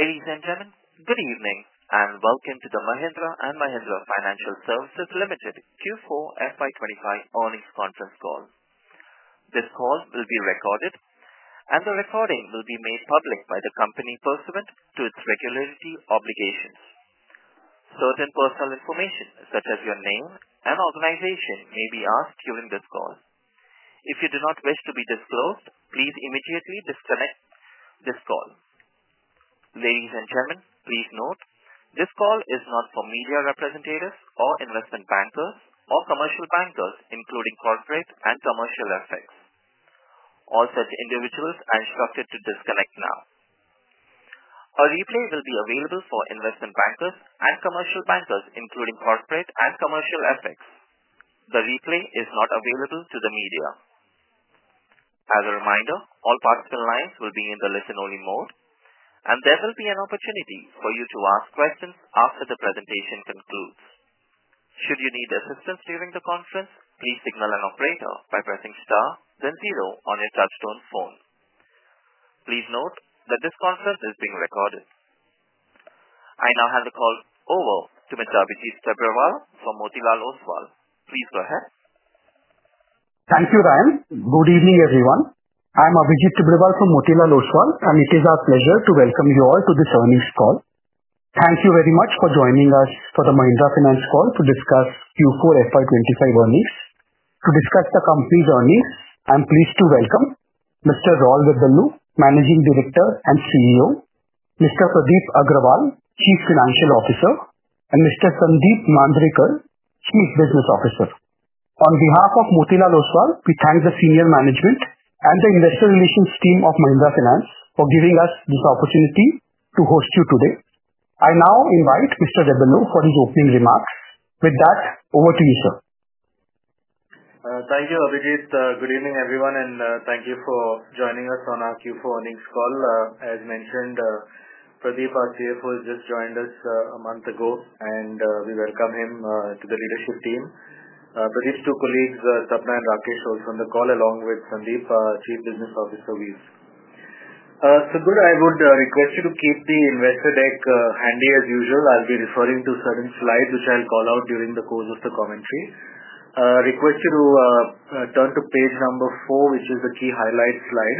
Ladies and gentlemen, good evening and welcome to the Mahindra & Mahindra Financial Services Limited Q4 FY25 earnings conference call. This call will be recorded, and the recording will be made public by the company pursuant to its regulatory obligations. Certain personal information, such as your name and organization, may be asked during this call. If you do not wish to be disclosed, please immediately disconnect this call. Ladies and gentlemen, please note this call is not for media representatives or investment bankers or commercial bankers, including corporate and commercial effects. All such individuals are instructed to disconnect now. A replay will be available for investment bankers and commercial bankers, including corporate and commercial effects. The replay is not available to the media. As a reminder, all participant lines will be in the listen-only mode, and there will be an opportunity for you to ask questions after the presentation concludes. Should you need assistance during the conference, please signal an operator by pressing star, then zero on your touchstone phone. Please note that this conference is being recorded. I now hand the call over to Mr. Abhijit Chabrawal from Motilal Oswal. Please go ahead. Thank you, Ryan. Good evening, everyone. I'm Abhijit Chabrawal from Motilal Oswal, and it is our pleasure to welcome you all to this earnings call. Thank you very much for joining us for the Mahindra Finance call to discuss Q4 FY2025 earnings. To discuss the company's earnings, I'm pleased to welcome Mr. Raul Rebello, Managing Director and CEO, Mr. Pradeep Agrawal, Chief Financial Officer, and Mr. Sandeep Mandrekar, Chief Business Officer. On behalf of Motilal Oswal, we thank the senior management and the investor relations team of Mahindra Finance for giving us this opportunity to host you today. I now invite Mr. Rebello for his opening remarks. With that, over to you, sir. Thank you, Abhijit. Good evening, everyone, and thank you for joining us on our Q4 earnings call. As mentioned, Pradeep, our CFO, has just joined us a month ago, and we welcome him to the leadership team. Pradeep's two colleagues, Sabna and Rakesh, are also on the call, along with Sandeep, Chief Business Officer, Veejay. Sadhguru, I would request you to keep the investor deck handy as usual. I'll be referring to certain slides which I'll call out during the course of the commentary. I request you to turn to page number four, which is the key highlight slide.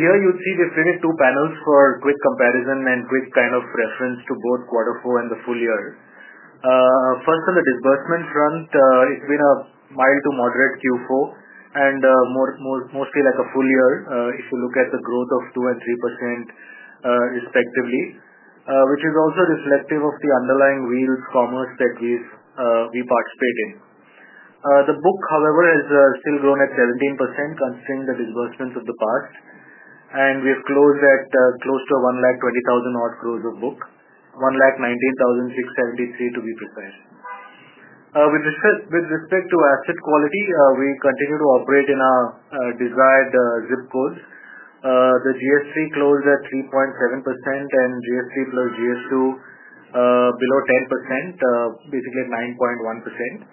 Here you'd see we've created two panels for quick comparison and quick kind of reference to both quarter four and the full year. First, on the disbursement front, it's been a mild to moderate Q4 and mostly like a full year if you look at the growth of 2% and 3% respectively, which is also reflective of the underlying wheels commerce that we participate in. The book, however, has still grown at 17%, considering the disbursements of the past, and we've closed at close to 120,000-odd crore of book, 119,673 to be precise. With respect to asset quality, we continue to operate in our desired zip codes. The GS3 closed at 3.7% and GS3 plus GS2 below 10%, basically at 9.1%.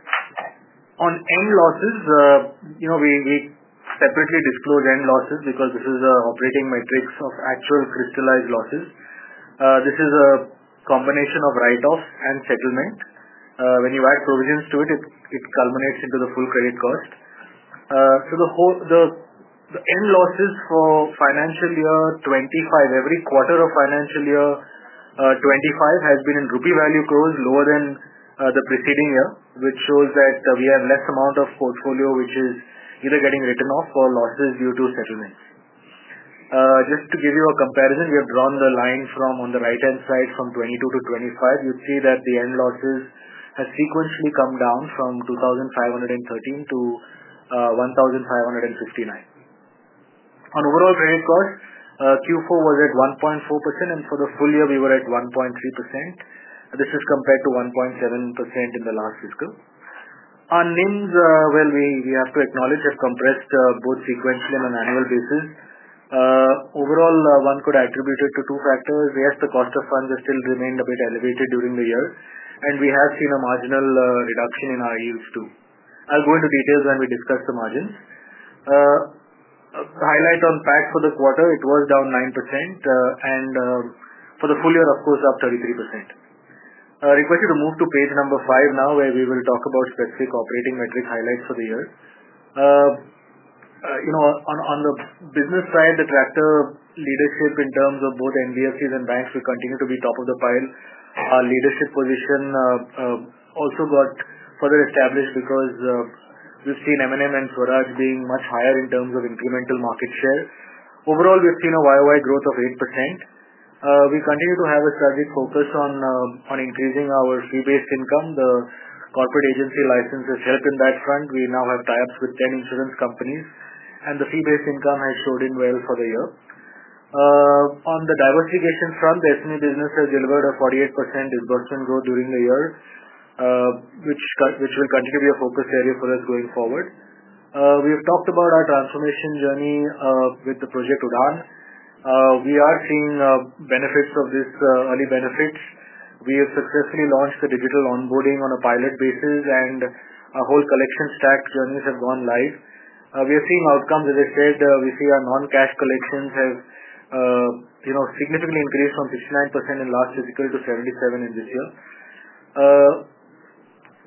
On end losses, we separately disclose end losses because this is an operating matrix of actual crystallized losses. This is a combination of write-offs and settlement. When you add provisions to it, it culminates into the full credit cost. The end losses for financial year 2025, every quarter of financial year 2025, have been in rupee value close lower than the preceding year, which shows that we have less amount of portfolio which is either getting written off or losses due to settlement. Just to give you a comparison, we have drawn the line on the right-hand side from 2022 to 2025. You'd see that the end losses have sequentially come down from 2,513 million to 1,559 million. On overall credit cost, Q4 was at 1.4%, and for the full year, we were at 1.3%. This is compared to 1.7% in the last fiscal. On NIMs, we have to acknowledge have compressed both sequentially on an annual basis. Overall, one could attribute it to two factors. Yes, the cost of funds has still remained a bit elevated during the year, and we have seen a marginal reduction in our yields too. I'll go into details when we discuss the margins. Highlight on PAC for the quarter, it was down 9%, and for the full year, of course, up 33%. I request you to move to page number five now, where we will talk about specific operating metric highlights for the year. On the business side, the tractor leadership in terms of both NBFCs and banks will continue to be top of the pile. Our leadership position also got further established because we've seen M&M and Swaraj being much higher in terms of incremental market share. Overall, we've seen a YoY growth of 8%. We continue to have a strategic focus on increasing our fee-based income. The corporate agency license has helped in that front. We now have tie-ups with 10 insurance companies, and the fee-based income has showed in well for the year. On the diversification front, the SME business has delivered a 48% disbursement growth during the year, which will continue to be a focus area for us going forward. We have talked about our transformation journey with the project UDAN. We are seeing benefits of this, early benefits. We have successfully launched the digital onboarding on a pilot basis, and our whole collection stack journeys have gone live. We are seeing outcomes. As I said, we see our non-cash collections have significantly increased from 69% in last fiscal year to 77% in this year.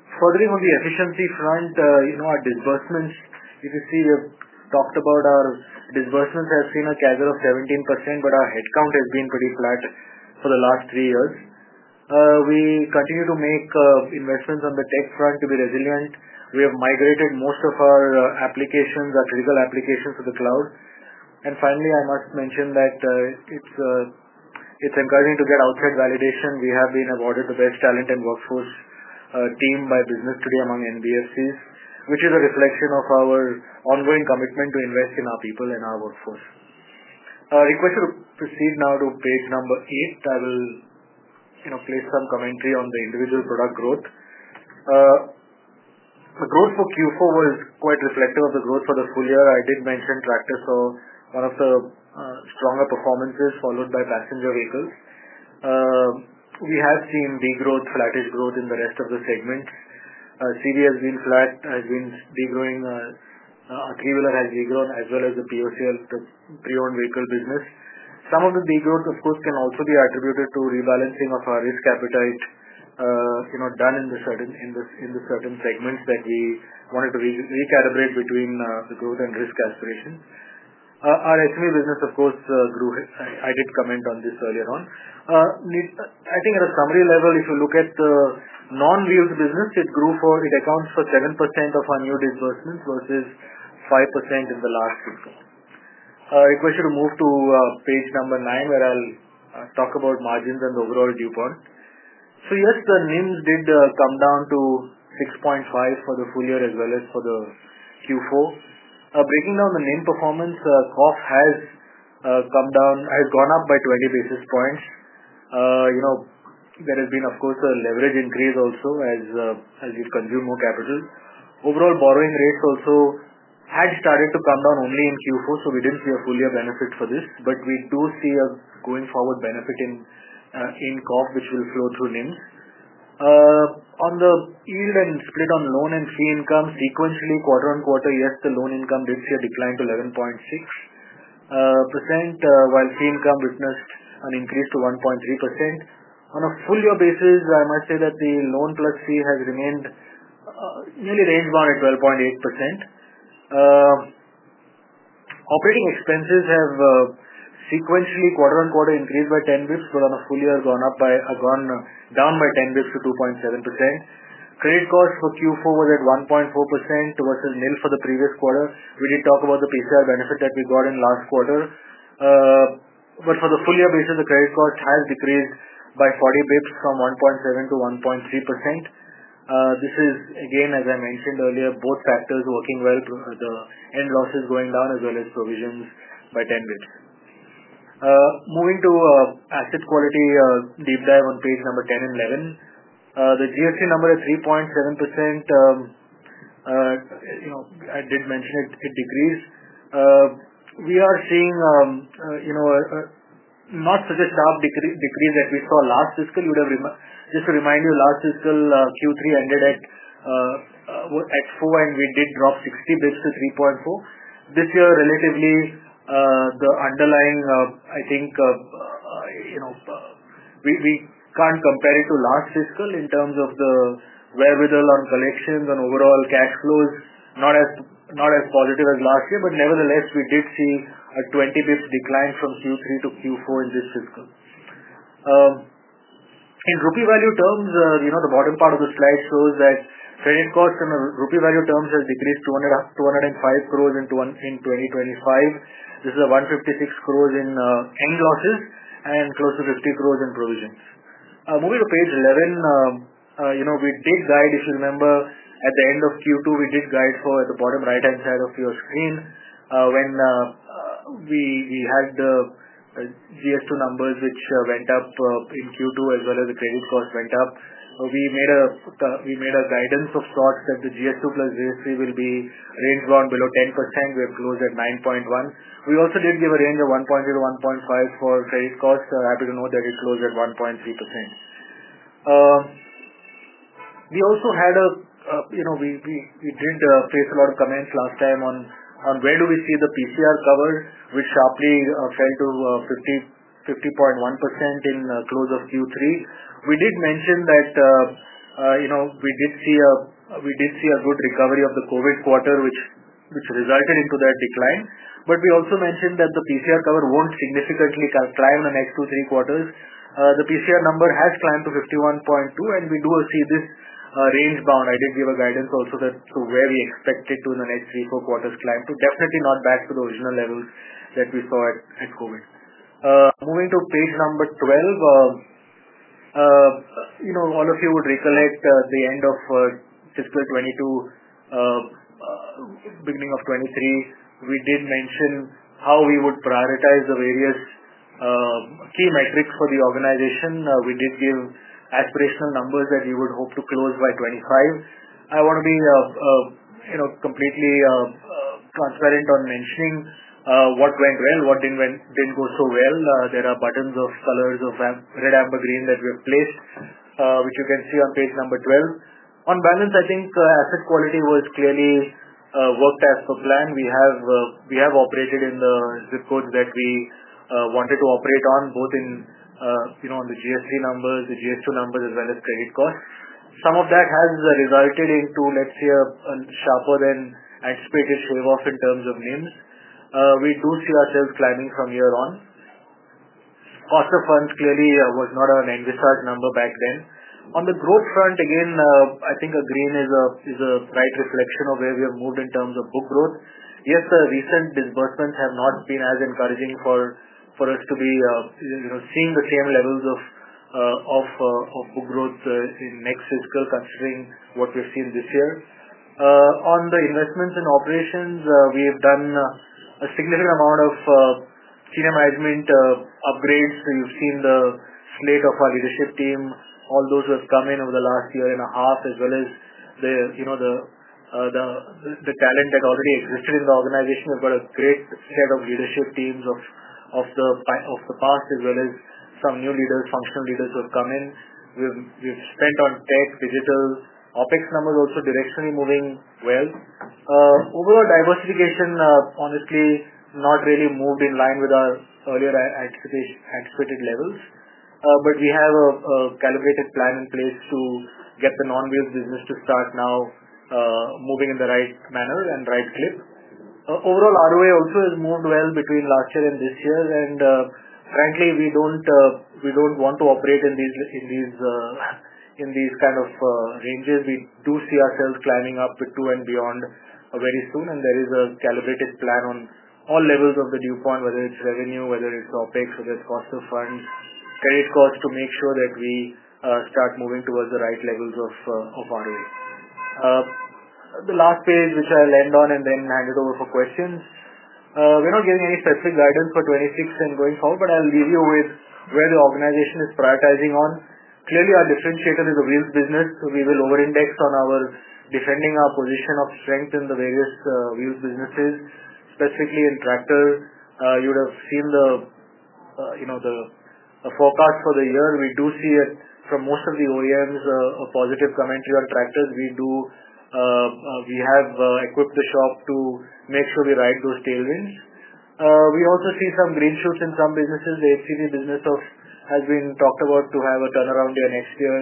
Furthering on the efficiency front, our disbursements, if you see, we have talked about our disbursements have seen a CAGR of 17%, but our headcount has been pretty flat for the last three years. We continue to make investments on the tech front to be resilient. We have migrated most of our applications, our physical applications, to the cloud. Finally, I must mention that it is encouraging to get outside validation. We have been awarded the best talent and workforce team by Business Today among NBFCs, which is a reflection of our ongoing commitment to invest in our people and our workforce. I request you to proceed now to page number eight. I will place some commentary on the individual product growth. The growth for Q4 was quite reflective of the growth for the full year. I did mention tractor saw one of the stronger performances followed by passenger vehicles. We have seen degrowth, flattish growth in the rest of the segments. CV has been flat, has been degrowing. Our three-wheeler has degrown, as well as the POCL, the pre-owned vehicle business. Some of the degrowth, of course, can also be attributed to rebalancing of our risk appetite done in the certain segments that we wanted to recalibrate between the growth and risk aspiration. Our SME business, of course, grew. I did comment on this earlier on. I think at a summary level, if you look at the non-wheels business, it accounts for 7% of our new disbursements versus 5% in the last fiscal. I request you to move to page number nine, where I'll talk about margins and the overall due point. Yes, the NIMs did come down to 6.5% for the full year as well as for the Q4. Breaking down the NIM performance, COF has gone up by 20 basis points. There has been, of course, a leverage increase also as we've consumed more capital. Overall borrowing rates also had started to come down only in Q4, so we did not see a full-year benefit for this, but we do see a going-forward benefit in COF, which will flow through NIMs. On the yield and split on loan and fee income, sequentially, quarter on quarter, yes, the loan income did see a decline to 11.6%, while fee income witnessed an increase to 1.3%. On a full-year basis, I must say that the loan plus fee has remained nearly range-bound at 12.8%. Operating expenses have sequentially, quarter-on-quarter, increased by 10 basis points, but on a full year, gone down by 10 basis points to 2.7%. Credit cost for Q4 was at 1.4% versus nil for the previous quarter. We did talk about the PCR benefit that we got in last quarter, but for the full-year basis, the credit cost has decreased by 40 basis points from 1.7% to 1.3%. This is, again, as I mentioned earlier, both factors working well. The end loss is going down as well as provisions by 10 basis points. Moving to asset quality deep dive on page number 10 and 11, the GS3 number is 3.7%. I did mention it decreased. We are seeing not such a sharp decrease that we saw last fiscal. Just to remind you, last fiscal, Q3 ended at 4%, and we did drop 60 basis points to 3.4%. This year, relatively, the underlying, I think we can't compare it to last fiscal in terms of the wherewithal on collections and overall cash flows, not as positive as last year, but nevertheless, we did see a 20 basis points decline from Q3 to Q4 in this fiscal. In rupee value terms, the bottom part of the slide shows that credit cost in rupee value terms has decreased to 205 crore in 2025. This is 156 crore in end losses and close to 50 crore in provisions. Moving to page 11, we did guide, if you remember, at the end of Q2, we did guide for at the bottom right-hand side of your screen when we had the GS2 numbers, which went up in Q2 as well as the credit cost went up. We made a guidance of sorts that the GS2 plus GS3 will be range-bound below 10%. We have closed at 9.1%. We also did give a range of 1.0%-1.5% for credit cost. Happy to know that it closed at 1.3%. We also had a lot of comments last time on where do we see the PCR cover, which sharply fell to 50.1% in close of Q3. We did mention that we did see a good recovery of the COVID quarter, which resulted into that decline, but we also mentioned that the PCR cover will not significantly climb in the next two, three quarters. The PCR number has climbed to 51.2%, and we do see this range-bound. I did give a guidance also to where we expect it to in the next three, four quarters climb to. Definitely not back to the original levels that we saw at COVID. Moving to page number 12, all of you would recollect the end of fiscal 2022, beginning of 2023. We did mention how we would prioritize the various key metrics for the organization. We did give aspirational numbers that we would hope to close by 2025. I want to be completely transparent on mentioning what went well, what did not go so well. There are buttons of colors of red, amber, green that we have placed, which you can see on page number 12. On balance, I think asset quality was clearly worked as per plan. We have operated in the zip codes that we wanted to operate on, both in the GS3 numbers, the GS2 numbers, as well as credit cost. Some of that has resulted into, let's say, a sharper than anticipated shave-off in terms of NIMs. We do see ourselves climbing from year on. Cost of funds clearly was not an envisage number back then. On the growth front, again, I think green is a bright reflection of where we have moved in terms of book growth. Yes, the recent disbursements have not been as encouraging for us to be seeing the same levels of book growth in next fiscal, considering what we've seen this year. On the investments and operations, we have done a significant amount of senior management upgrades. You've seen the slate of our leadership team. All those have come in over the last year and a half, as well as the talent that already existed in the organization. We've got a great set of leadership teams of the past, as well as some new leaders, functional leaders who have come in. We've spent on tech, digital, OPEX numbers also directionally moving well. Overall diversification, honestly, not really moved in line with our earlier anticipated levels, but we have a calibrated plan in place to get the non-wheels business to start now moving in the right manner and right clip. Overall, ROA also has moved well between last year and this year, and frankly, we do not want to operate in these kind of ranges. We do see ourselves climbing up to and beyond very soon, and there is a calibrated plan on all levels of the due point, whether it is revenue, whether it is OPEX, whether it is cost of funds, credit cost, to make sure that we start moving towards the right levels of ROA. The last page, which I will end on and then hand it over for questions. We are not giving any specific guidance for 2026 and going forward, but I will leave you with where the organization is prioritizing on. Clearly, our differentiator is the wheels business. We will over-index on our defending our position of strength in the various wheels businesses, specifically in tractor. You would have seen the forecast for the year. We do see it from most of the OEMs, a positive commentary on tractors. We have equipped the shop to make sure we ride those tailwinds. We also see some green shoots in some businesses. The HCV business has been talked about to have a turnaround year next year.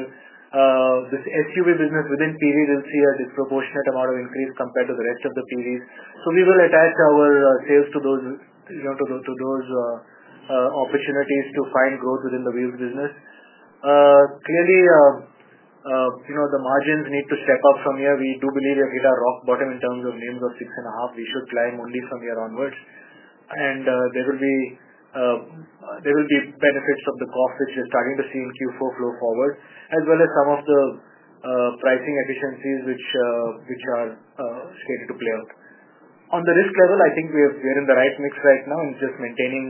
This SUV business within PVs will see a disproportionate amount of increase compared to the rest of the PVs. We will attach our sales to those opportunities to find growth within the wheels business. Clearly, the margins need to step up from here. We do believe we have hit our rock bottom in terms of NIMs of 6.5%. We should climb only from here onwards, and there will be benefits of the COF, which we're starting to see in Q4 flow forward, as well as some of the pricing efficiencies, which are slated to play out. On the risk level, I think we are in the right mix right now, and just maintaining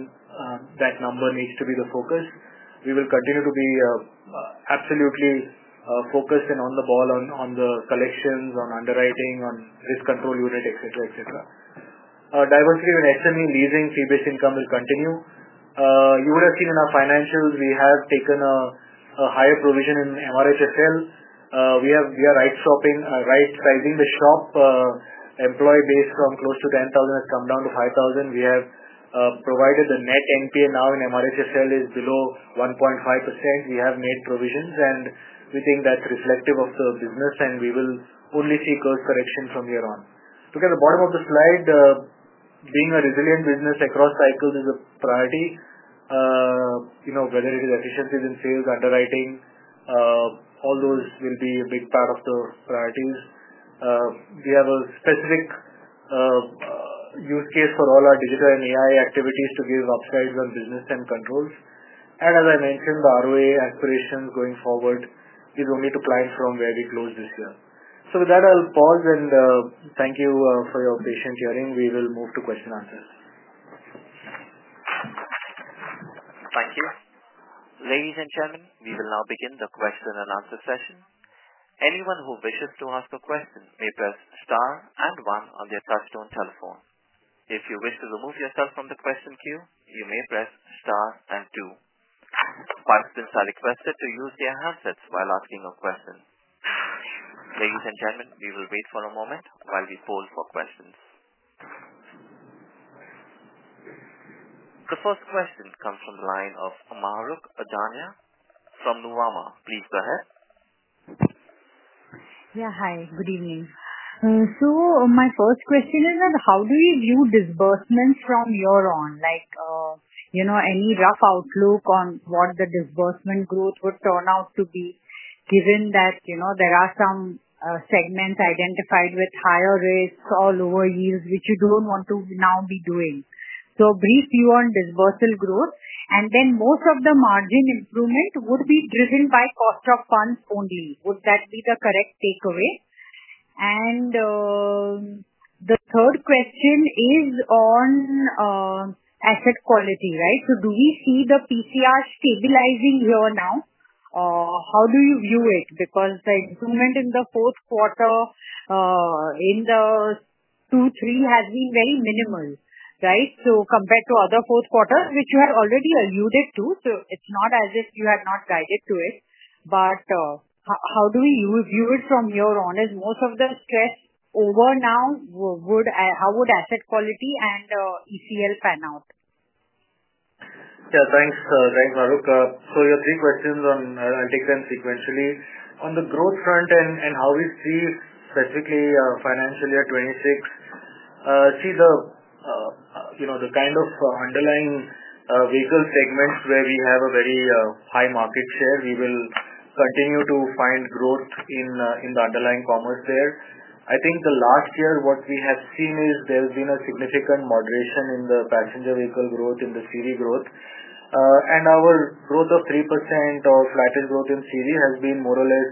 that number needs to be the focus. We will continue to be absolutely focused and on the ball on the collections, on underwriting, on risk control unit, etc., etc. Diversity with SME leasing fee-based income will continue. You would have seen in our financials, we have taken a higher provision in MRHSL. We are right-sizing the shop. Employee base from close to 10,000 has come down to 5,000. We have provided the net NPA now in MRHSL is below 1.5%. We have made provisions, and we think that's reflective of the business, and we will only see course correction from here on. Look at the bottom of the slide. Being a resilient business across cycles is a priority, whether it is efficiencies in sales, underwriting. All those will be a big part of the priorities. We have a specific use case for all our digital and AI activities to give upsides on business and controls. As I mentioned, the ROA aspirations going forward is only to climb from where we closed this year. With that, I'll pause, and thank you for your patient hearing. We will move to question and answers. Thank you. Ladies and gentlemen, we will now begin the question and answer session. Anyone who wishes to ask a question may press star and one on their touchstone telephone. If you wish to remove yourself from the question queue, you may press star and two. Participants are requested to use their handsets while asking a question. Ladies and gentlemen, we will wait for a moment while we poll for questions. The first question comes from the line of Maharukh Adanya from Luwama. Please go ahead. Yeah, hi. Good evening. My first question is that how do you view disbursements from year on? Any rough outlook on what the disbursement growth would turn out to be, given that there are some segments identified with higher rates all over years, which you do not want to now be doing? A brief view on disbursal growth, and then most of the margin improvement would be driven by cost of funds only. Would that be the correct takeaway? The third question is on asset quality, right? Do we see the PCR stabilizing here now? How do you view it? The improvement in the fourth quarter in the Q3 has been very minimal, right? Compared to other fourth quarters, which you have already alluded to, it is not as if you had not guided to it. How do we view it from year on? Is most of the stress over now? How would asset quality and ECL pan out? Yeah, thanks, Maharukh. Your three questions, I'll take them sequentially. On the growth front and how we see specifically financial year 2026, see the kind of underlying vehicle segments where we have a very high market share. We will continue to find growth in the underlying commerce there. I think the last year what we have seen is there has been a significant moderation in the passenger vehicle growth, in the CV growth. Our growth of 3% or flattened growth in CV has been more or less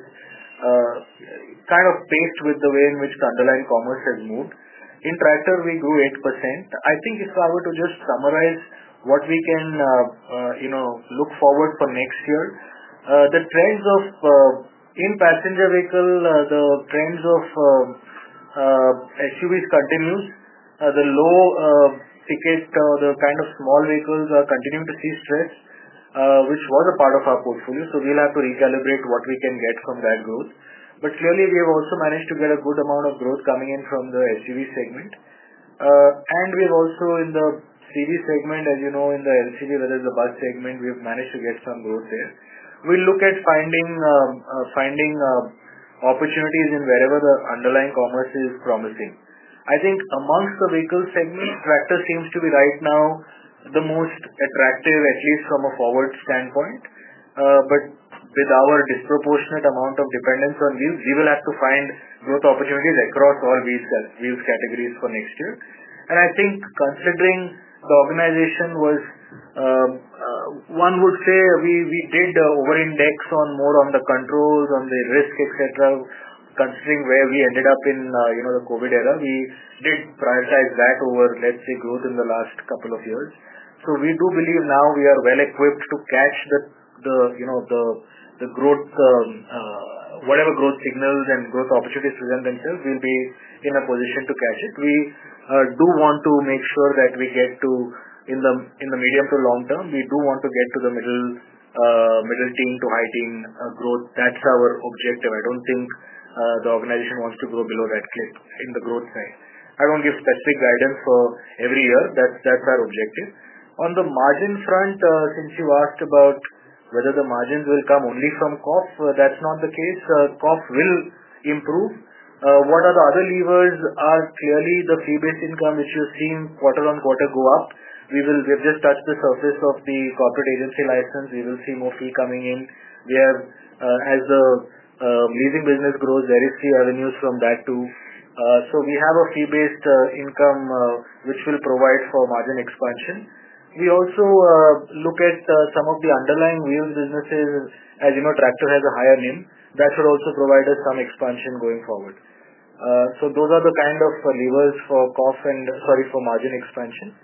kind of paced with the way in which the underlying commerce has moved. In tractor, we grew 8%. I think if I were to just summarize what we can look forward for next year, the trends of in passenger vehicle, the trends of SUVs continues. The low ticket, the kind of small vehicles are continuing to see stress, which was a part of our portfolio. We'll have to recalibrate what we can get from that growth. Clearly, we have also managed to get a good amount of growth coming in from the SUV segment. We've also in the CV segment, as you know, in the LCV, whether it's the bus segment, we've managed to get some growth there. We'll look at finding opportunities in wherever the underlying commerce is promising. I think amongst the vehicle segment, tractor seems to be right now the most attractive, at least from a forward standpoint. With our disproportionate amount of dependence on wheels, we will have to find growth opportunities across all wheels categories for next year. I think considering the organization was, one would say we did over-index more on the controls, on the risk, etc., considering where we ended up in the COVID era. We did prioritize that over, let's say, growth in the last couple of years. We do believe now we are well equipped to catch the growth, whatever growth signals and growth opportunities present themselves, we'll be in a position to catch it. We do want to make sure that we get to, in the medium to long term, we do want to get to the middle teen to high teen growth. That's our objective. I don't think the organization wants to grow below that clip in the growth side. I won't give specific guidance for every year. That's our objective. On the margin front, since you asked about whether the margins will come only from COF, that's not the case. COF will improve. What are the other levers? Clearly, the fee-based income, which you're seeing quarter on quarter go up. We've just touched the surface of the corporate agency license. We will see more fee coming in. As the leasing business grows, there are three avenues from that too. We have a fee-based income, which will provide for margin expansion. We also look at some of the underlying wheels businesses. As you know, tractor has a higher NIM. That should also provide us some expansion going forward. Those are the kind of levers for COF and, sorry, for margin expansion.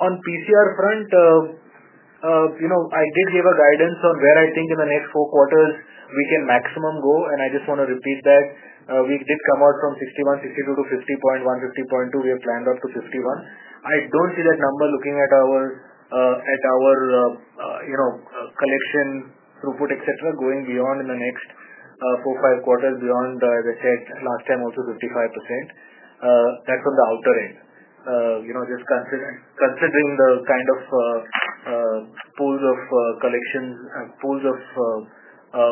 On PCR front, I did give a guidance on where I think in the next four quarters we can maximum go, and I just want to repeat that. We did come out from 61, 62 to 50.1, 50.2. We have planned up to 51. I do not see that number, looking at our collection throughput, etc., going beyond in the next four or five quarters beyond the set last time, also 55%. That is on the outer end, just considering the kind of pools of collections, pools of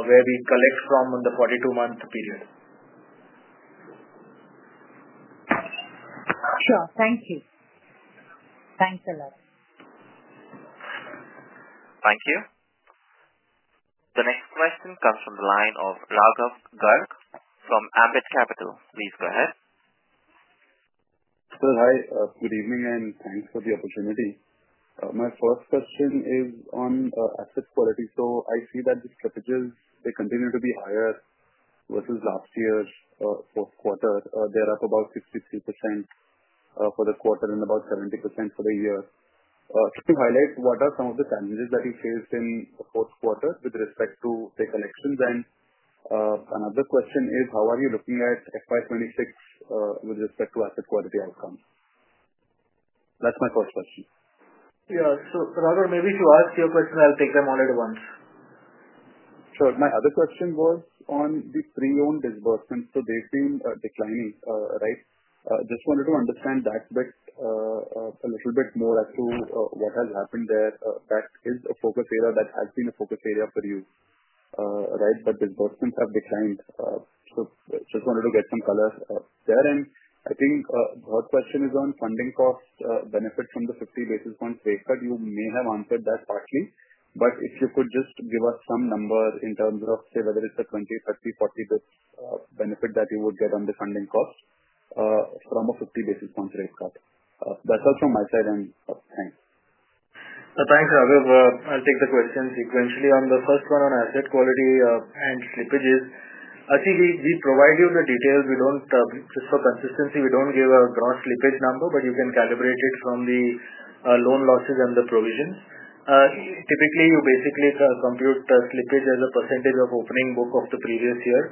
where we collect from in the 42-month period. Sure. Thank you. Thanks a lot. Thank you. The next question comes from the line of Raghav Garg from Ambit Capital. Please go ahead. Sir, hi. Good evening and thanks for the opportunity. My first question is on asset quality. I see that the slippages, they continue to be higher versus last year's fourth quarter. They're up about 63% for the quarter and about 70% for the year. Can you highlight what are some of the challenges that you faced in the fourth quarter with respect to the collections? Another question is, how are you looking at FY2026 with respect to asset quality outcomes? That's my first question. Yeah. Raghav, maybe if you ask your question, I'll take them all at once. Sure. My other question was on the pre-owned disbursements. They've been declining, right? Just wanted to understand that bit a little bit more as to what has happened there. That is a focus area, that has been a focus area for you, right? But disbursements have declined. Just wanted to get some color there. I think the third question is on funding cost benefit from the 50 basis points rate cut. You may have answered that partly, but if you could just give us some number in terms of, say, whether it's a 20, 30, 40 basis points benefit that you would get on the funding cost from a 50 basis points rate cut. That's all from my side, and thanks. Thanks, Raghav. I'll take the questions sequentially. On the first one on asset quality and slippages, I see we provide you the details. Just for consistency, we don't give a gross slippage number, but you can calibrate it from the loan losses and the provisions. Typically, you basically compute the slippage as a percentage of opening book of the previous year.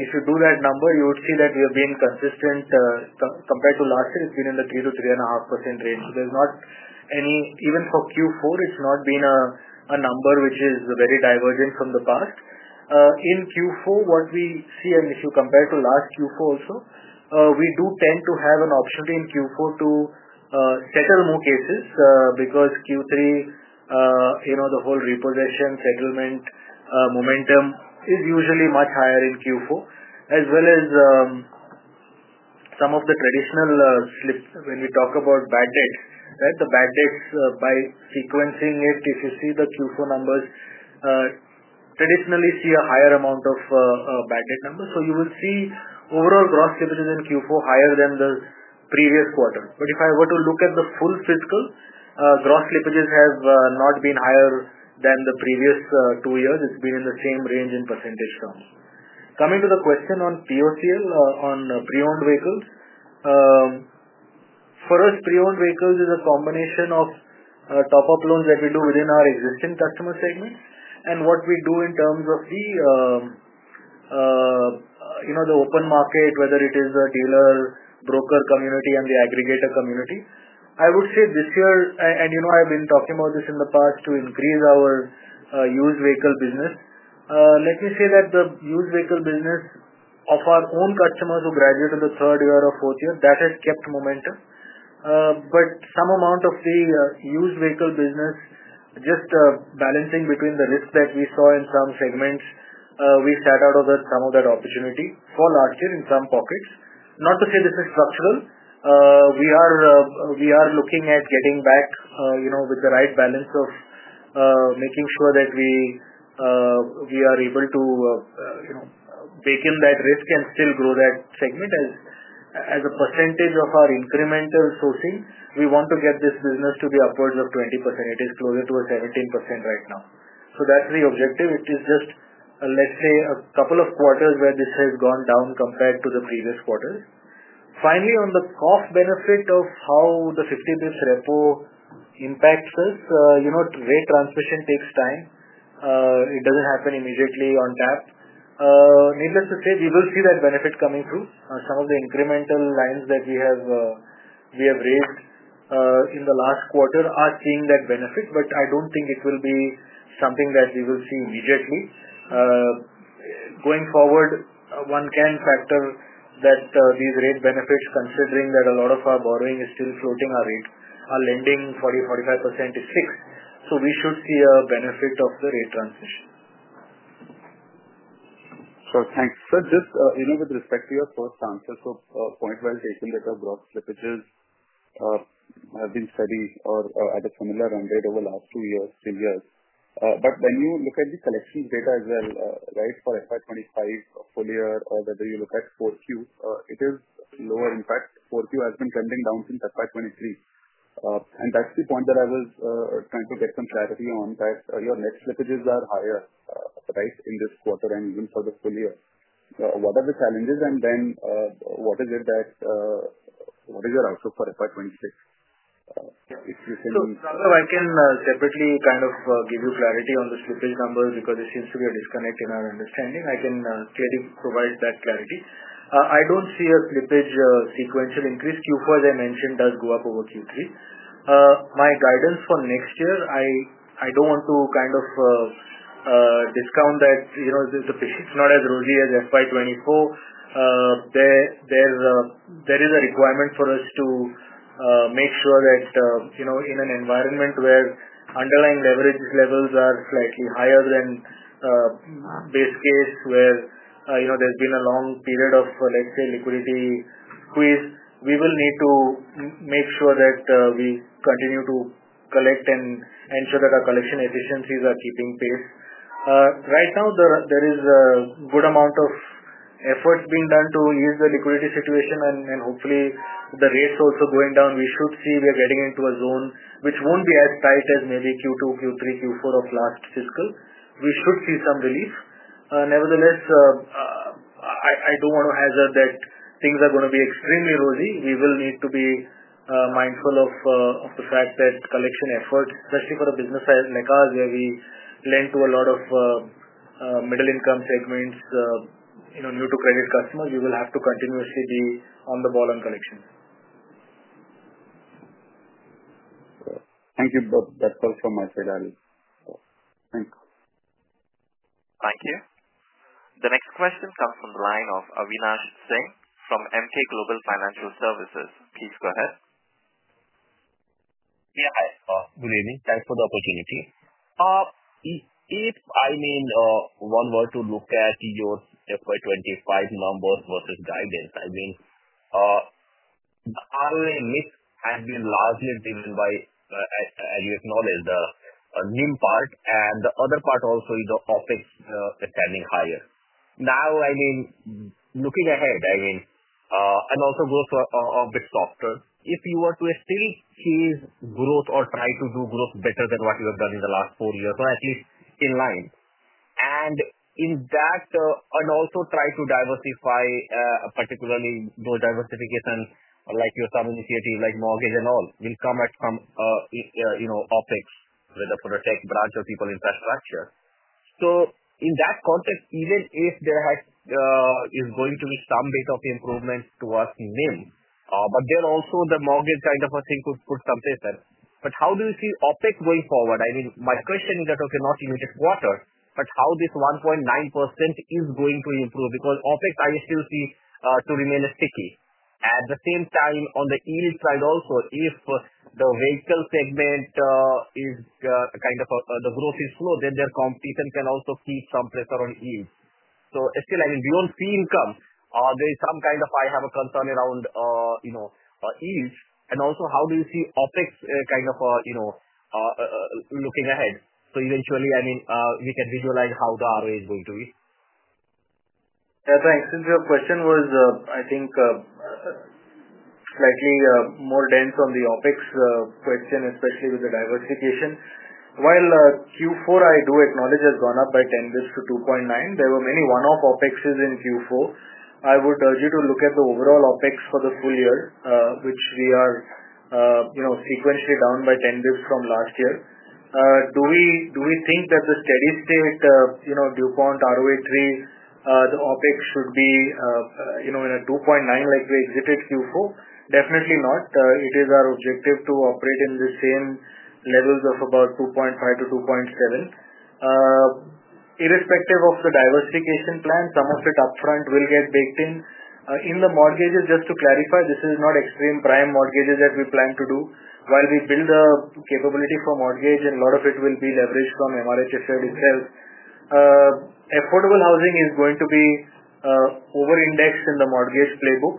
If you do that number, you would see that we have been consistent compared to last year. It's been in the 3%-3.5% range. There's not any, even for Q4, it's not been a number which is very divergent from the past. In Q4, what we see, and if you compare to last Q4 also, we do tend to have an opportunity in Q4 to settle more cases because Q3, the whole repossession settlement momentum is usually much higher in Q4, as well as some of the traditional slip when we talk about bad debts, right? The bad debts, by sequencing it, if you see the Q4 numbers, traditionally see a higher amount of bad debt numbers. You will see overall gross slippages in Q4 higher than the previous quarter. If I were to look at the full fiscal, gross slippages have not been higher than the previous two years. It's been in the same range in percentage terms. Coming to the question on POCL, on pre-owned vehicles, for us, pre-owned vehicles is a combination of top-up loans that we do within our existing customer segments. What we do in terms of the open market, whether it is a dealer, broker community, and the aggregator community, I would say this year, and I've been talking about this in the past to increase our used vehicle business, let me say that the used vehicle business of our own customers who graduated the third year or fourth year, that has kept momentum. Some amount of the used vehicle business, just balancing between the risk that we saw in some segments, we shadowed some of that opportunity for last year in some pockets. Not to say this is structural. We are looking at getting back with the right balance of making sure that we are able to bake in that risk and still grow that segment. As a percentage of our incremental sourcing, we want to get this business to be upwards of 20%. It is closer to 17% right now. That is the objective. It is just, let's say, a couple of quarters where this has gone down compared to the previous quarters. Finally, on the cost benefit of how the 50 basis points repo impacts us, rate transmission takes time. It does not happen immediately on tap. Needless to say, we will see that benefit coming through. Some of the incremental lines that we have raised in the last quarter are seeing that benefit, but I do not think it will be something that we will see immediately. Going forward, one can factor that these rate benefits, considering that a lot of our borrowing is still floating, our lending 40%-45% is fixed. We should see a benefit of the rate transmission. Sure. Thanks. Just with respect to your first answer, point-wise, APM data of gross slippages have been steady or at a similar run rate over the last two years, three years. When you look at the collections data as well, right, for FY2025, full year, or whether you look at Q4, it is lower impact. Q4 has been trending down since FY2023. That is the point that I was trying to get some clarity on, that your net slippages are higher, right, in this quarter and even for the full year. What are the challenges? What is your outlook for FY2026? If you can— Raghav, I can separately kind of give you clarity on the slippage numbers because there seems to be a disconnect in our understanding. I can clearly provide that clarity. I do not see a slippage sequential increase. Q4, as I mentioned, does go up over Q3. My guidance for next year, I do not want to kind of discount that the picture is not as rosy as FY2024. There is a requirement for us to make sure that in an environment where underlying leverage levels are slightly higher than base case, where there has been a long period of, let's say, liquidity squeeze, we will need to make sure that we continue to collect and ensure that our collection efficiencies are keeping pace. Right now, there is a good amount of effort being done to ease the liquidity situation, and hopefully, with the rates also going down, we should see we are getting into a zone which will not be as tight as maybe Q2, Q3, Q4 of last fiscal. We should see some relief. Nevertheless, I do not want to hazard that things are going to be extremely rosy. We will need to be mindful of the fact that collection effort, especially for a business like ours, where we lend to a lot of middle-income segments, new-to-credit customers, we will have to continuously be on the ball on collections. Thank you, [Bhat]. That's all from my side, [Ali]. Thanks. Thank you. The next question comes from the line of Avinash Singh from Emkay Global Financial Services. Please go ahead. Yeah. Hi. Good evening. Thanks for the opportunity. If I mean one were to look at your FY2025 numbers versus guidance, I mean, our risk has been largely driven by, as you acknowledged, the NIM part, and the other part also is the OPEX standing higher. Now, I mean, looking ahead, I mean, and also growth a bit softer. If you were to still seize growth or try to do growth better than what you have done in the last four years or at least in line, and in that, and also try to diversify, particularly those diversification like your some initiatives like mortgage and all will come at some OPEX with the Protect Branch of People Infrastructure. In that context, even if there is going to be some bit of improvement towards NIM, but then also the mortgage kind of a thing could put some place there. How do you see OPEX going forward? I mean, my question is that, okay, not in each quarter, but how this 1.9% is going to improve because OPEX, I still see to remain sticky. At the same time, on the yield side also, if the vehicle segment is kind of the growth is slow, then their competition can also keep some pressure on yield. Still, I mean, beyond fee income, there is some kind of I have a concern around yields. Also, how do you see OPEX kind of looking ahead? Eventually, I mean, we can visualize how the ROA is going to be. Yeah. Thanks. Since your question was, I think, slightly more dense on the OPEX question, especially with the diversification, while Q4, I do acknowledge, has gone up by 10 basis points to 2.9%. There were many one-off OPEXs in Q4. I would urge you to look at the overall OPEX for the full year, which we are sequentially down by 10 basis points from last year. Do we think that the steady-state Dupont ROA 3%, the OPEX should be in a 2.9% like we exited Q4? Definitely not. It is our objective to operate in the same levels of about 2.5%-2.7%. Irrespective of the diversification plan, some of it upfront will get baked in. In the mortgages, just to clarify, this is not extreme prime mortgages that we plan to do. While we build a capability for mortgage, and a lot of it will be leveraged from MRHSL shared itself. Affordable housing is going to be over-indexed in the mortgage playbook.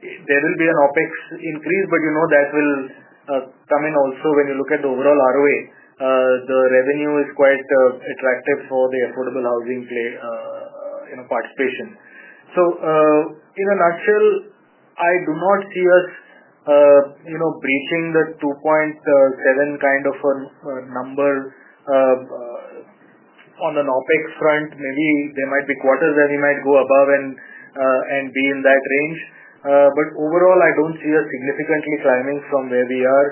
There will be an OPEX increase, but you know that will come in also when you look at the overall ROA. The revenue is quite attractive for the affordable housing participation. In a nutshell, I do not see us breaching the 2.7% kind of a number on an OPEX front. Maybe there might be quarters where we might go above and be in that range. Overall, I do not see us significantly climbing from where we are.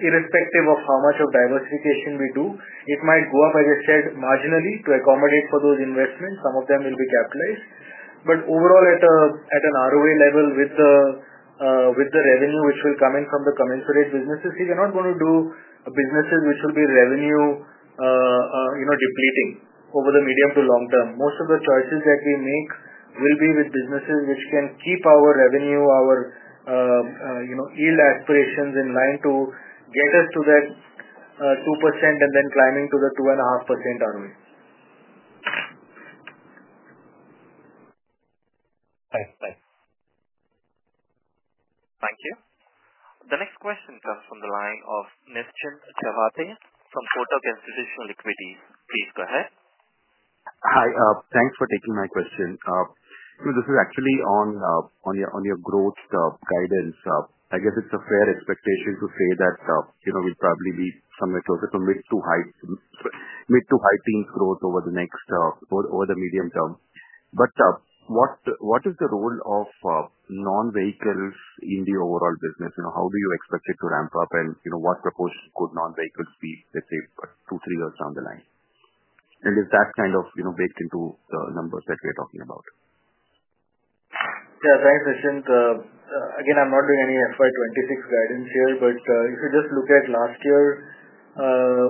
Irrespective of how much of diversification we do, it might go up, as I said, marginally to accommodate for those investments. Some of them will be capitalized. Overall, at an ROA level with the revenue which will come in from the commensurate businesses, we are not going to do businesses which will be revenue depleting over the medium to long term. Most of the choices that we make will be with businesses which can keep our revenue, our yield aspirations in line to get us to that 2% and then climbing to the 2.5% ROA. Thanks. Thanks. Thank you. The next question comes from the line of Niscnint Chawathe from Kotak Institutional Equities. Please go ahead. Hi. Thanks for taking my question. This is actually on your growth guidance. I guess it's a fair expectation to say that we'll probably be somewhere closer to mid to high teens growth over the next, over the medium term. What is the role of non-vehicles in the overall business? How do you expect it to ramp up, and what proportion could non-vehicles be, let's say, two, three years down the line? Is that kind of baked into the numbers that we are talking about? Yeah. Thanks, Nischint. Again, I'm not doing any FY2026 guidance here, but if you just look at last year,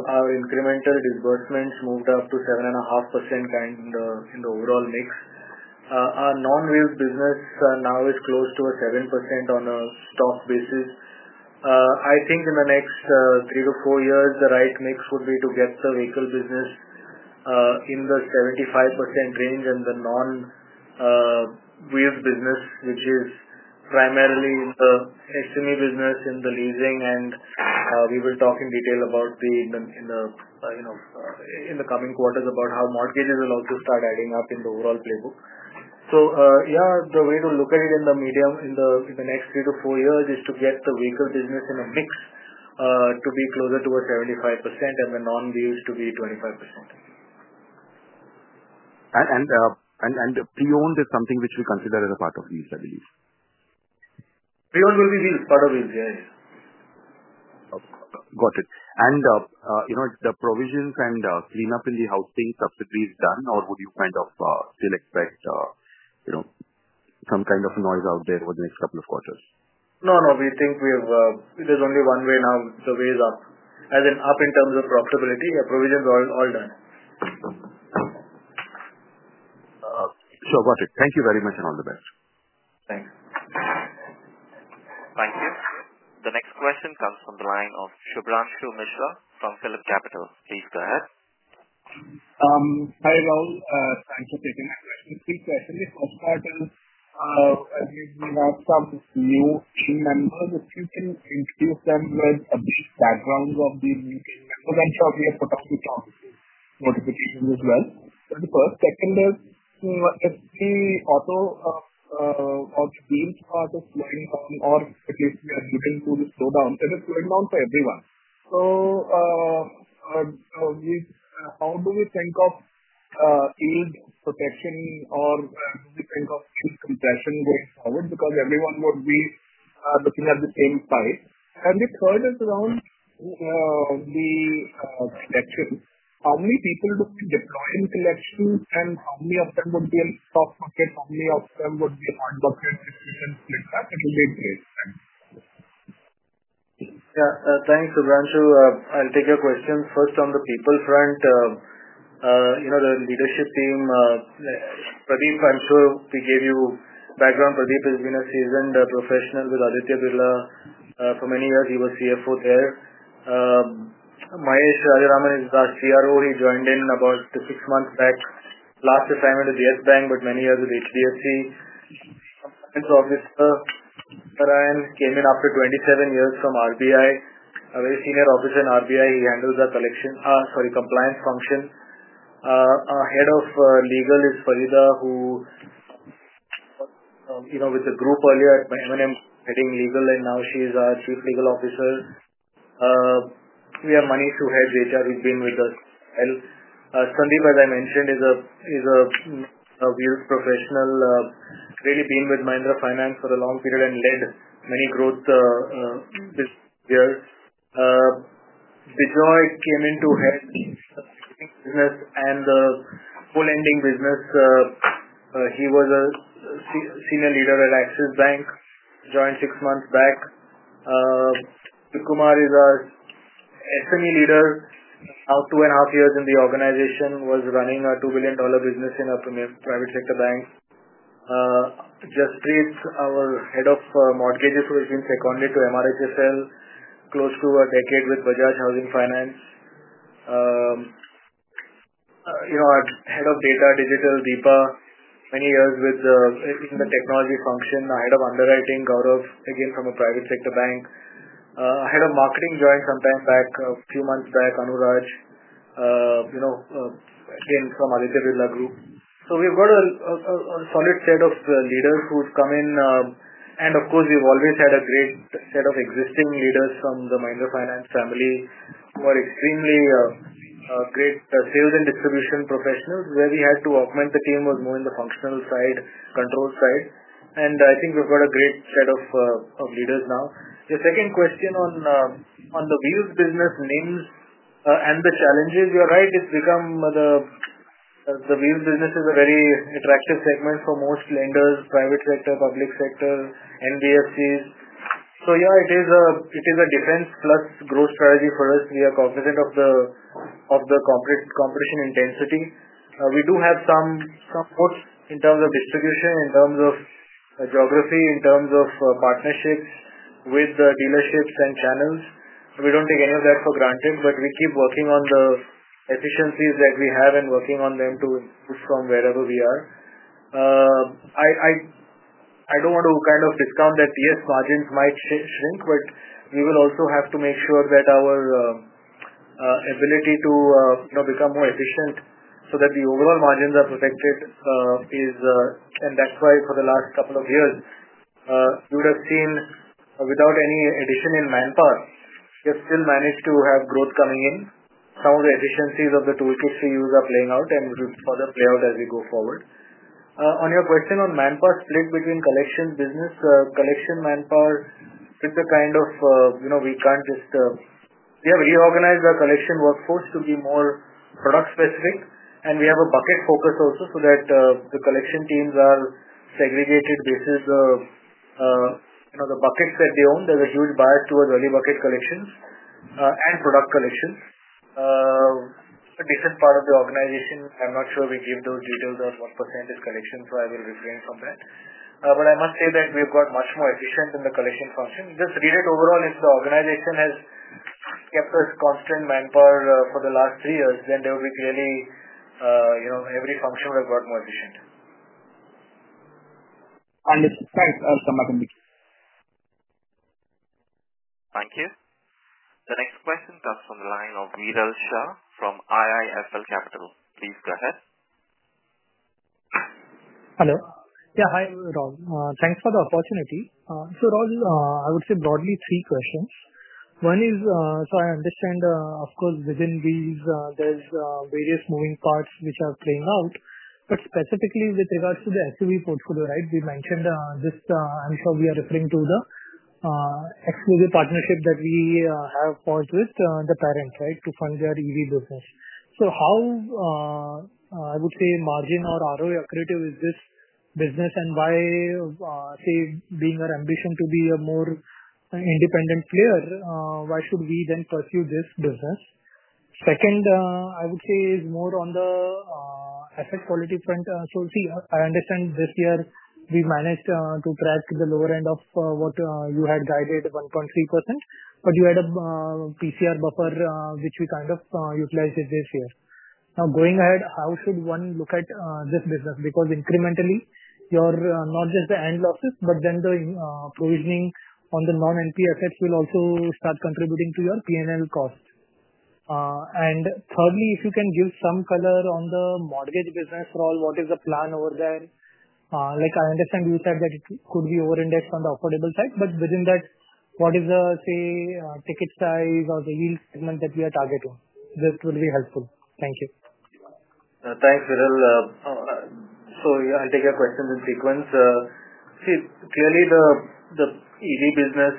our incremental disbursements moved up to 7.5% kind in the overall mix. Our non-wheel business now is close to 7% on a stock basis. I think in the next three to four years, the right mix would be to get the vehicle business in the 75% range and the non-wheel business, which is primarily the SME business in the leasing. We will talk in detail in the coming quarters about how mortgages will also start adding up in the overall playbook. Yeah, the way to look at it in the medium in the next three to four years is to get the vehicle business in a mix to be closer to 75% and the non-wheels to be 25%. Pre-owned is something which we consider as a part of yields, I believe. Pre-owned will be wheels, part of wheels. Yeah. Yeah. Got it. Are the provisions and cleanup in the housing subsidies done, or would you kind of still expect some kind of noise out there over the next couple of quarters? No, no. We think we have, there's only one way now. The way is up. As in up in terms of profitability? Yeah, provisions are all done. Sure. Got it. Thank you very much and all the best. Thanks. Thank you. The next question comes from the line of Shubhranshu Mishra from Philip Capital. Please go ahead. How do we think of yield protection, or do we think of yield compression going forward? Because everyone would be looking at the same pipe. Yeah. Thanks, Subram Shiv. I'll take your question. First, on the people front, the leadership team, Pradeep, I'm sure we gave you background. Pradeep has been a seasoned professional with Aditya Birla for many years. He was CFO there. Mahesh Rajaram is the CRO. He joined in about six months back. Last assignment with Yes Bank, but many years with HDFC. Compliance Officer Narayan came in after 27 years from RBI. A very senior officer in RBI. He handles the compliance function. Head of legal is Faridha, who was with the group earlier at M&M heading legal, and now she is our Chief Legal Officer. We have Manish, who heads HR. He's been with us as well. Sandeep, as I mentioned, is a wheels professional, really been with Mahindra Finance for a long period and led many growth businesses here. Bijoy, he came in to head the business and the full ending business. He was a senior leader at Axis Bank, joined six months back. Vickumar is our SME leader, now two and a half years in the organization, was running a $2 billion business in a private sector bank. Jaspreet, our Head of Mortgages, who has been seconded to MRHSL, close to a decade with Bajaj Housing Finance. Our Head of Data, Digital, Deepa, many years in the technology function. Our Head of Underwriting, Gaurav, again from a private sector bank. Our Head of Marketing joined some time back, a few months back, Anuraj, again from Aditya Birla Group. We have got a solid set of leaders who have come in. Of course, we have always had a great set of existing leaders from the Mahindra Finance family who are extremely great sales and distribution professionals. Where we had to augment the team was more in the functional side, control side. I think we've got a great set of leaders now. Your second question on the wheels business NIMs and the challenges, you're right, it's become the wheels business is a very attractive segment for most lenders, private sector, public sector, NBFCs. It is a defense plus growth strategy for us. We are cognizant of the competition intensity. We do have some support in terms of distribution, in terms of geography, in terms of partnerships with the dealerships and channels. We don't take any of that for granted, but we keep working on the efficiencies that we have and working on them to improve from wherever we are. I do not want to kind of discount that yes, margins might shrink, but we will also have to make sure that our ability to become more efficient so that the overall margins are protected. That is why for the last couple of years, you would have seen without any addition in manpower, we have still managed to have growth coming in. Some of the efficiencies of the toolkits we use are playing out and will further play out as we go forward. On your question on manpower split between collection business, collection manpower with the kind of we cannot just we have reorganized our collection workforce to be more product specific, and we have a bucket focus also so that the collection teams are segregated basis. The buckets that they own, there is a huge bias towards early bucket collections and product collections. A decent part of the organization, I'm not sure we give those details of what percentage is collection, so I will refrain from that. I must say that we have got much more efficient in the collection function. Just read it overall. If the organization has kept us constant manpower for the last three years, then there will be clearly every function will have got more efficient. Thank you. The next question comes from the line of Veeral Shah from IIFL Capital. Please go ahead. Hello. Yeah. Hi, Raul. Thanks for the opportunity. Raul, I would say broadly three questions. One is, I understand, of course, within wheels, there are various moving parts which are playing out. Specifically with regards to the SUV portfolio, right, we mentioned this. I am sure we are referring to the exclusive partnership that we have with the parent, right, to fund their EV business. How, I would say, margin or ROA accretive is this business and why, being our ambition to be a more independent player, why should we then pursue this business? Second, I would say is more on the asset quality front. I understand this year we managed to track the lower end of what you had guided, 1.3%, but you had a PCR buffer, which we kind of utilized this year. Now, going ahead, how should one look at this business? Because incrementally, you're not just the end losses, but then the provisioning on the non-NP assets will also start contributing to your P&L costs. Thirdly, if you can give some color on the mortgage business, Raul, what is the plan over there? I understand you said that it could be over-indexed on the affordable side, but within that, what is the, say, ticket size or the yield segment that we are targeting? This will be helpful. Thank you. Thanks, Viral. I'll take your questions in sequence. Clearly, the EV business,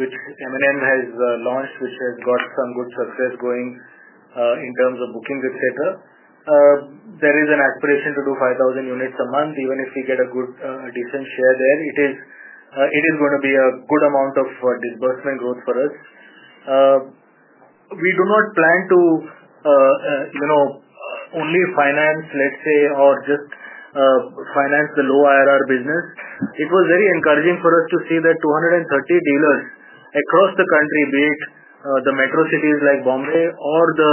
which M&M has launched, which has got some good success going in terms of booking the theater, there is an aspiration to do 5,000 units a month. Even if we get a good decent share there, it is going to be a good amount of disbursement growth for us. We do not plan to only finance, let's say, or just finance the low IRR business. It was very encouraging for us to see that 230 dealers across the country, be it the metro cities like Bombay or the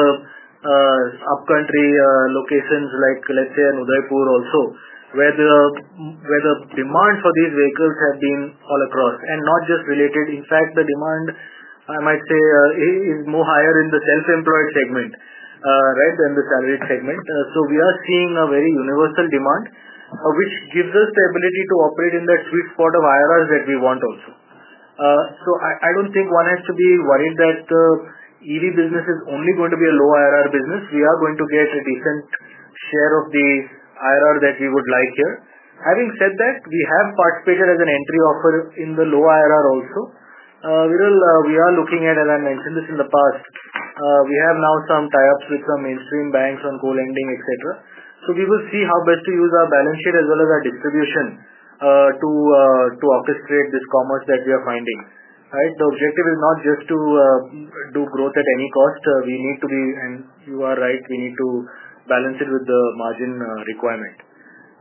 upcountry locations like, let's say, Udaipur also, where the demand for these vehicles has been all across. Not just related. In fact, the demand, I might say, is more higher in the self-employed segment, right, than the salaried segment. We are seeing a very universal demand, which gives us the ability to operate in that sweet spot of IRRs that we want also. I do not think one has to be worried that the EV business is only going to be a low IRR business. We are going to get a decent share of the IRR that we would like here. Having said that, we have participated as an entry offer in the low IRR also. Viral, we are looking at, as I mentioned this in the past, we have now some tie-ups with some mainstream banks on co-lending, etc. We will see how best to use our balance sheet as well as our distribution to orchestrate this commerce that we are finding, right? The objective is not just to do growth at any cost. We need to be, and you are right, we need to balance it with the margin requirement.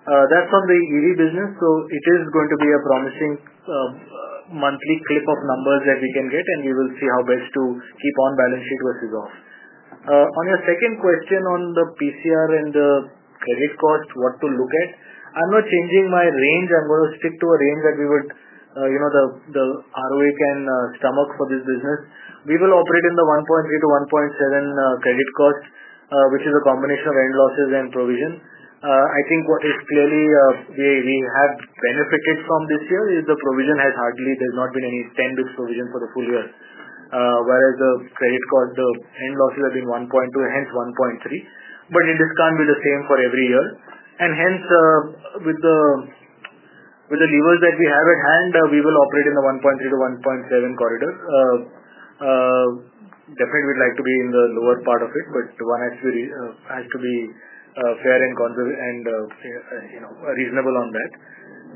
That is on the EV business. It is going to be a promising monthly clip of numbers that we can get, and we will see how best to keep on balance sheet versus off. On your second question on the PCR and the credit cost, what to look at? I am not changing my range. I am going to stick to a range that we would, the ROA can stomach for this business. We will operate in the 1.3%-1.7% credit cost, which is a combination of end losses and provision. I think what is clearly we have benefited from this year is the provision has hardly, there has not been any 10 basis points provision for the full year. Whereas the credit cost, the end losses have been 1.2%, hence 1.3%. It is kind of the same for every year. Hence, with the levers that we have at hand, we will operate in the 1.3%-1.7% corridor. Definitely, we'd like to be in the lower part of it, but one has to be fair and reasonable on that.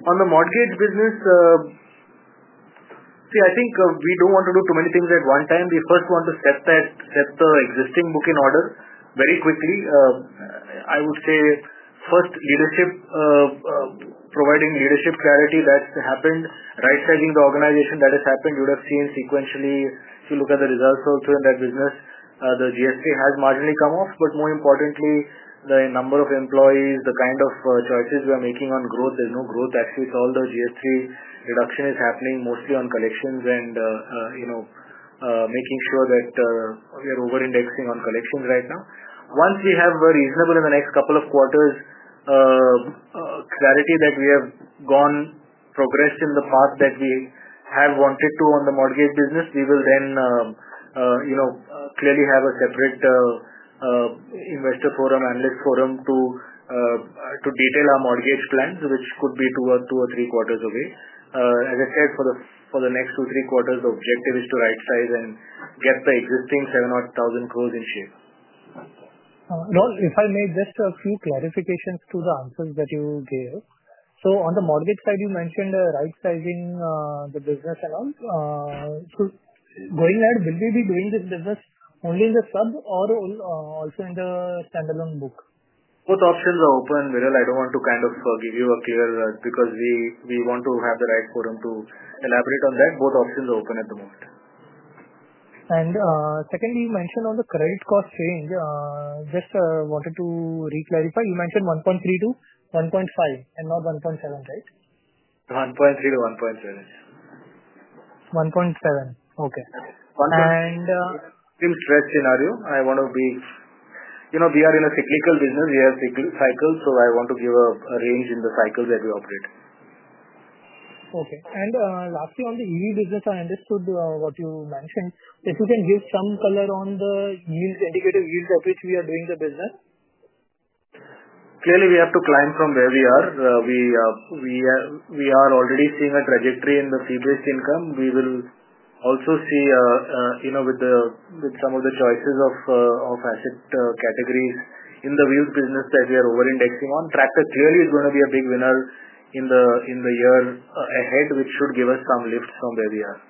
On the mortgage business, see, I think we don't want to do too many things at one time. We first want to set the existing book in order very quickly. I would say first, leadership, providing leadership clarity that's happened, right-sizing the organization that has happened. You would have seen sequentially, if you look at the results also in that business, the GS3 has marginally come off. More importantly, the number of employees, the kind of choices we are making on growth, there's no growth actually. It's all the GS3 reduction is happening mostly on collections and making sure that we are over-indexing on collections right now. Once we have a reasonable in the next couple of quarters clarity that we have gone, progressed in the path that we have wanted to on the mortgage business, we will then clearly have a separate investor forum, analyst forum to detail our mortgage plans, which could be two or three quarters away. As I said, for the next two, three quarters, the objective is to right-size and get the existing 700,000 crore in shape. Raul, if I may, just a few clarifications to the answers that you gave. On the mortgage side, you mentioned right-sizing the business and all. Going ahead, will we be doing this business only in the sub or also in the standalone book? Both options are open, Viral. I do not want to kind of give you a clear because we want to have the right forum to elaborate on that. Both options are open at the moment. Secondly, you mentioned on the credit cost change, just wanted to re-clarify. You mentioned 1.3%-1.5% and not 1.7%, right? 1.3%-1.7%. 1.7%. Okay. 1.3%-1.6%. I want to be we are in a cyclical business. We have cycles. I want to give a range in the cycles that we operate. Okay. Lastly, on the EV business, I understood what you mentioned. If you can give some color on the yields, indicative yields at which we are doing the business. Clearly, we have to climb from where we are. We are already seeing a trajectory in the seed-based income. We will also see with some of the choices of asset categories in the wheels business that we are over-indexing on. Tractor clearly is going to be a big winner in the year ahead, which should give us some lift from where we are.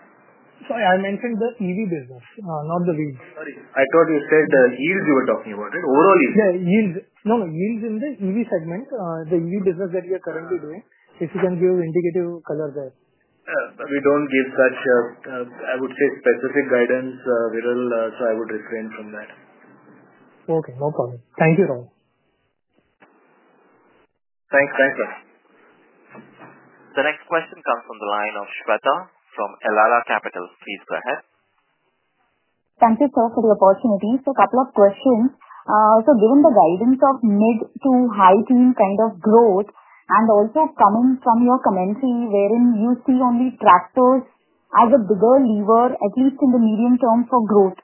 Sorry, I mentioned the EV business, not the wheels. Sorry. I thought you said the yields you were talking about, right? Overall yields. Yeah, yields. No, no, yields in the EV segment, the EV business that we are currently doing, if you can give indicative color there. We don't give such, I would say, specific guidance, Veeral, so I would refrain from that. Okay. No problem. Thank you, Raul. Thanks. Thanks, sir. The next question comes from the line of Shweta from Elara Capital. Please go ahead. Thank you, sir, for the opportunity. A couple of questions. Given the guidance of mid to high-teens kind of growth and also coming from your commentary, wherein you see only tractors as a bigger lever, at least in the medium term for growth.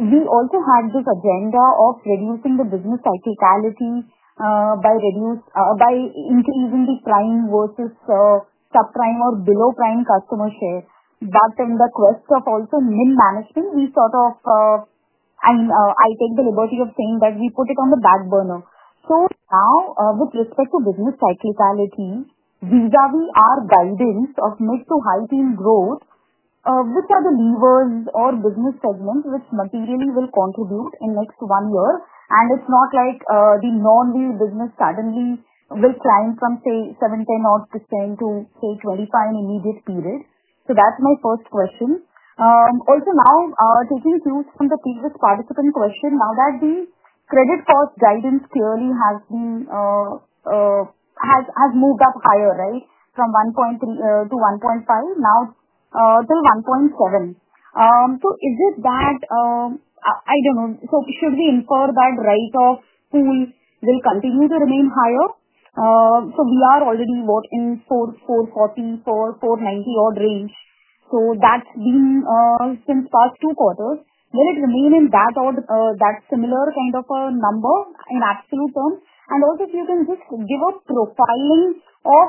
We also had this agenda of reducing the business cyclicality by increasing the prime versus subprime or below-prime customer share. In the quest of also NIM management, I mean, I take the liberty of saying that we put it on the back burner. Now, with respect to business cyclicality, these are our guidance of mid to high-teens growth. Which are the levers or business segments which materially will contribute in the next one year? It is not like the non-wheel business suddenly will climb from, say, 7%-10% to, say, 25% in an immediate period. That's my first question. Also now, taking cues from the previous participant question, now that the credit cost guidance clearly has moved up higher, right, from 1.3% - 1.5%, now till 1.7%. Is it that, I don't know, should we infer that write-off pool will continue to remain higher? We are already, what, in the 440 crore-490 crore odd range. That's been since past two quarters. Will it remain in that similar kind of a number in absolute terms? Also, if you can just give a profiling of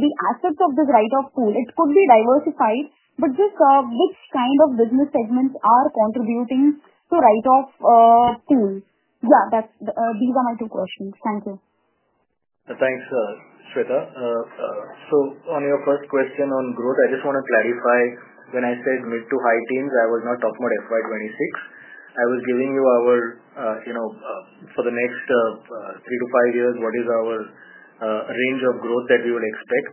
the assets of this write-off pool, it could be diversified, but just which kind of business segments are contributing to write-off pool? Yeah, these are my two questions. Thank you. Thanks, Shweta. On your first question on growth, I just want to clarify. When I said mid to high teens, I was not talking about FY2026. I was giving you our for the next three to five years, what is our range of growth that we would expect.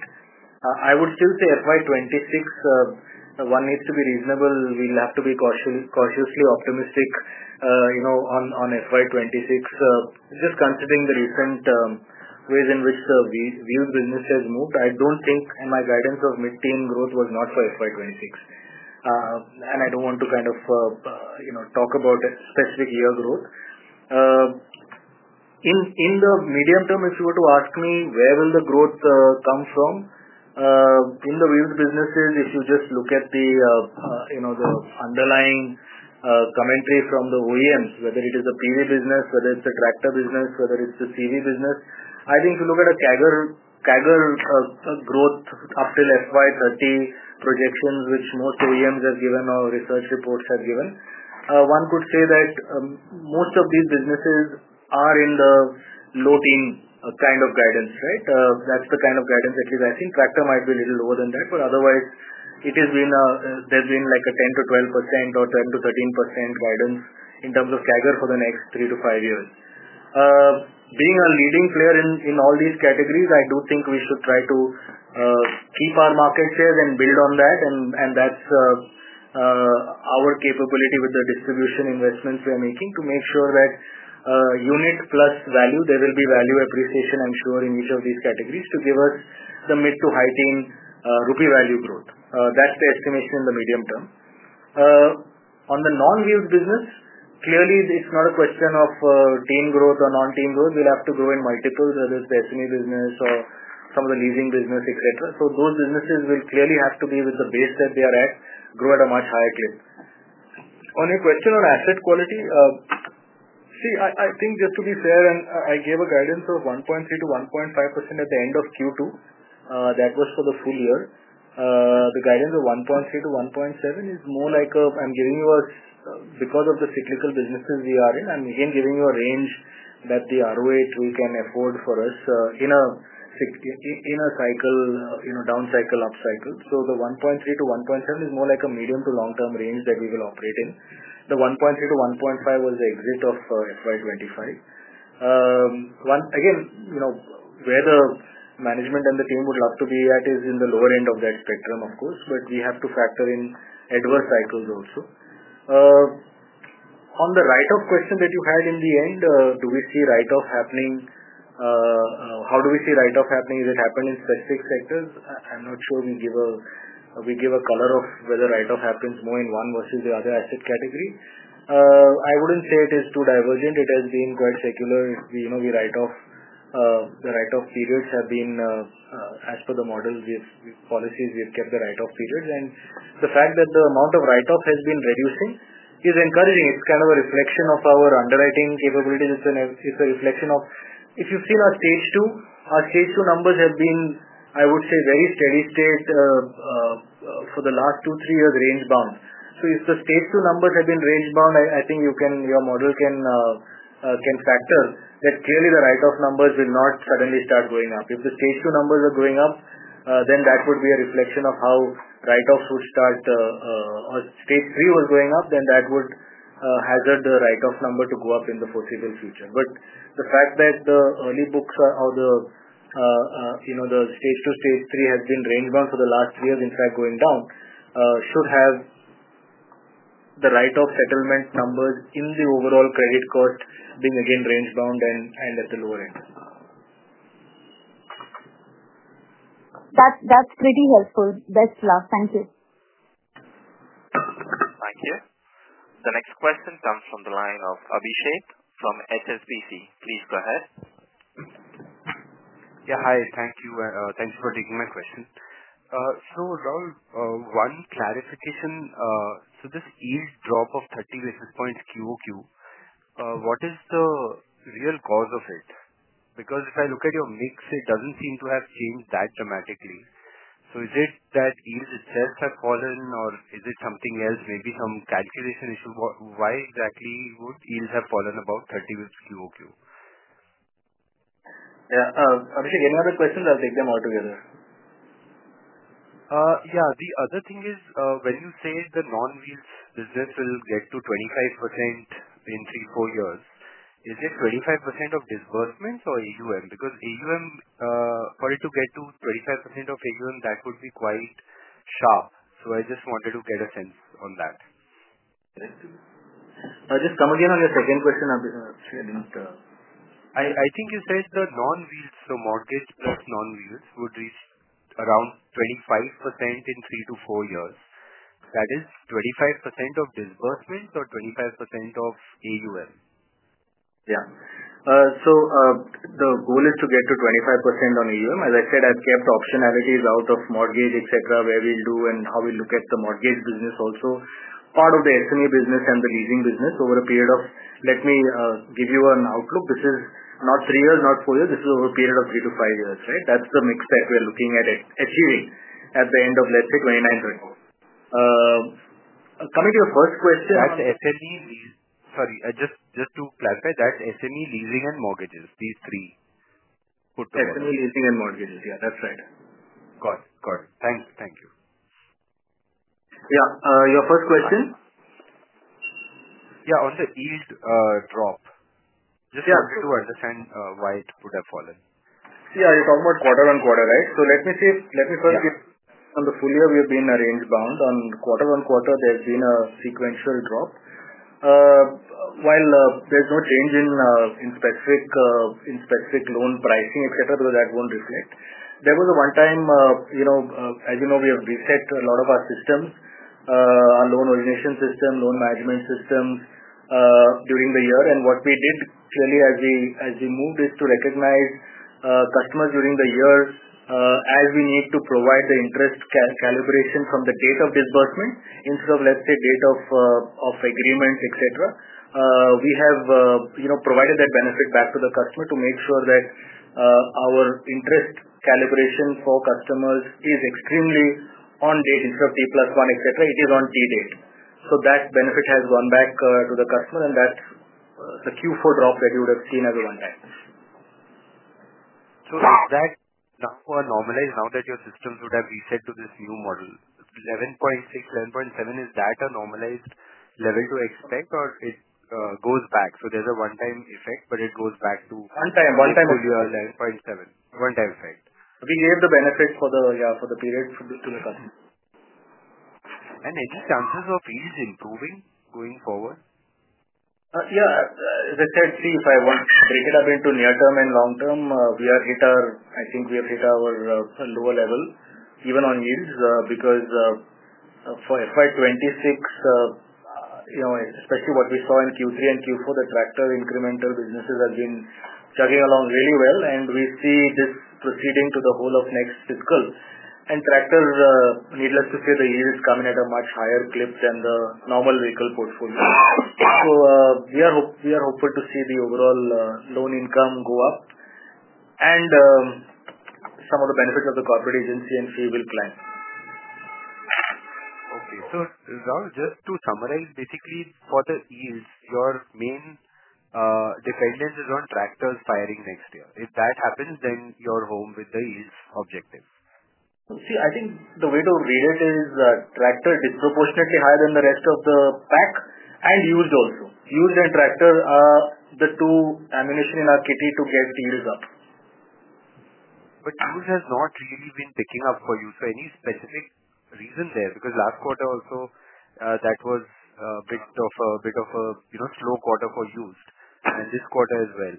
I would still say FY2026, one needs to be reasonable. We'll have to be cautiously optimistic on FY2026. Just considering the recent ways in which the wheel business has moved, I don't think my guidance of mid-teen growth was for FY2026. I don't want to kind of talk about specific year growth. In the medium term, if you were to ask me where will the growth come from, in the wheel businesses, if you just look at the underlying commentary from the OEMs, whether it is a PV business, whether it's a tractor business, whether it's a CV business, I think if you look at a CAGR growth up till FY2030 projections, which most OEMs have given or research reports have given, one could say that most of these businesses are in the low-teens kind of guidance, right? That's the kind of guidance, at least I think. Tractor might be a little lower than that, but otherwise, it has been there's been like a 10%-12% or 10%-13% guidance in terms of CAGR for the next three-to-five years. Being a leading player in all these categories, I do think we should try to keep our market shares and build on that. That is our capability with the distribution investments we are making to make sure that unit plus value, there will be value appreciation, I am sure, in each of these categories to give us the mid to high-teen rupee value growth. That is the estimation in the medium term. On the non-wheels business, clearly, it is not a question of teen growth or non-teen growth. We will have to grow in multiples, whether it is the SME business or some of the leasing business, etc. Those businesses will clearly have to be, with the base that they are at, grow at a much higher clip. On your question on asset quality, see, I think just to be fair, and I gave a guidance of 1.3%-1.5% at the end of Q2. That was for the full year. The guidance of 1.3%-1.7% is more like a I'm giving you a because of the cyclical businesses we are in, I'm again giving you a range that the ROA tool can afford for us in a cycle, down cycle, up cycle. The 1.3%-1.7% is more like a medium to long-term range that we will operate in. The 1.3%-1.5% was the exit of FY2025. Again, where the management and the team would love to be at is in the lower end of that spectrum, of course, but we have to factor in adverse cycles also. On the right of question that you had in the end, do we see right of happening? How do we see right of happening? Is it happening in specific sectors? I'm not sure we give a color of whether right of happens more in one versus the other asset category. I wouldn't say it is too divergent. It has been quite secular. The right of periods have been, as per the model policies, we have kept the right of periods. The fact that the amount of right of has been reducing is encouraging. It's kind of a reflection of our underwriting capabilities. It's a reflection of if you've seen our stage two, our stage two numbers have been, I would say, very steady state for the last two, three years, range bound. If the stage two numbers have been range bound, I think your model can factor that clearly the write-off numbers will not suddenly start going up. If the stage two numbers are going up, then that would be a reflection of how write-off would start or if stage three was going up, then that would hazard the write-off number to go up in the foreseeable future. The fact that the early books or the stage two, stage three has been range bound for the last three years, in fact, going down, should have the write-off settlement numbers in the overall credit cost being again range bound and at the lower end. That's pretty helpful. Best luck. Thank you. Thank you. The next question comes from the line of Abhishek from HSBC. Please go ahead. Yeah. Hi. Thank you. Thanks for taking my question. Raul, one clarification. This yield drop of 30 basis points QOQ, what is the real cause of it? Because if I look at your mix, it does not seem to have changed that dramatically. Is it that yields themselves have fallen, or is it something else, maybe some calculation issue? Why exactly would yields have fallen about 30 basis points QOQ? Yeah. Abhishek, any other questions? I'll take them all together. The other thing is when you say the non-wheels business will get to 25% in three, four years, is it 25% of disbursements or AUM? Because AUM, for it to get to 25% of AUM, that would be quite sharp. I just wanted to get a sense on that. Just come again on your second question. Actually, I did not. I think you said the non-wheels, so mortgage plus non-wheels would reach around 25% in three to four years. That is 25% of disbursements or 25% of AUM? Yeah. The goal is to get to 25% on AUM. As I said, I've kept optionalities out of mortgage, etc., where we'll do and how we look at the mortgage business also, part of the SME business and the leasing business over a period of, let me give you an outlook. This is not three years, not four years. This is over a period of three to five years, right? That's the mix that we are looking at achieving at the end of, let's say, 2920. Coming to your first question. That's SME lease. Sorry. Just to clarify, that's SME leasing and mortgages, these three put together. SME leasing and mortgages. Yeah, that's right. Got it. Got it. Thank you. Thank you. Yeah. Your first question? Yeah. On the yield drop, just wanted to understand why it would have fallen. Yeah. You're talking about quarter-on-quarter, right? Let me first give you on the full year, we have been range bound. On quarter-on-quarter, there's been a sequential drop. While there's no change in specific loan pricing, etc., because that won't reflect. There was a one time, as you know, we have reset a lot of our systems, our loan origination system, loan management systems during the year. What we did clearly as we moved is to recognize customers during the year as we need to provide the interest calibration from the date of disbursement instead of, let's say, date of agreement, etc. We have provided that benefit back to the customer to make sure that our interest calibration for customers is extremely on date instead of T plus one, etc. It is on T date. That benefit has gone back to the customer, and that's the Q4 drop that you would have seen as a one time. Is that now normalized now that your systems would have reset to this new model? 11.6, 11.7, is that a normalized level to expect, or it goes back? There is a one-time effect, but it goes back to. One time. To your 11.7, one-time effect. We gave the benefit for the, yeah, for the period to the customer. Any chances of yields improving going forward? Yeah. As I said, see, if I want to break it up into near term and long term, we are hit, I think we have hit our lower level even on yields because for FY 2026, especially what we saw in Q3 and Q4, the tractor incremental businesses have been chugging along really well, and we see this proceeding to the whole of next fiscal. And tractor, needless to say, the yield is coming at a much higher clip than the normal vehicle portfolio. So we are hopeful to see the overall loan income go up and some of the benefits of the corporate agency and fee will climb. Okay. Raul, just to summarize, basically, for the yields, your main dependence is on tractors firing next year. If that happens, then you're home with the yields objective. See, I think the way to read it is tractor disproportionately higher than the rest of the pack and used also. Used and tractor, the two ammunition in our kitty to get yields up. Used has not really been picking up for you. Any specific reason there? Last quarter also, that was a bit of a slow quarter for used. This quarter as well.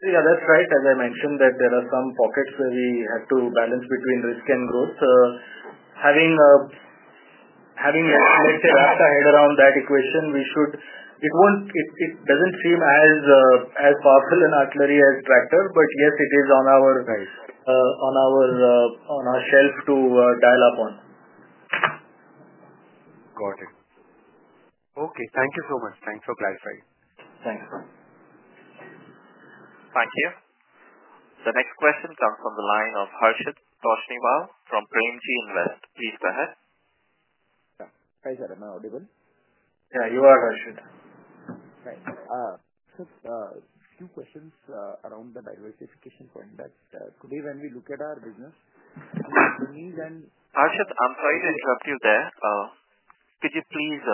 Yeah, that's right. As I mentioned, there are some pockets where we have to balance between risk and growth. Having an artillery attack ahead around that equation, we should, it does not seem as powerful an artillery as tractor, but yes, it is on our shelf to dial upon. Got it. Okay. Thank you so much. Thanks for clarifying. Thanks. Thank you. The next question comes from the line of Harshit Bhashaniwal from Brahmji Invest. Please go ahead. Yeah. Hi, sir. Am I audible? Yeah, you are, Harshit. Thanks. Just a few questions around the diversification point. Today, when we look at our business, do you see any? Harshit, I'm sorry to interrupt you there. Could you please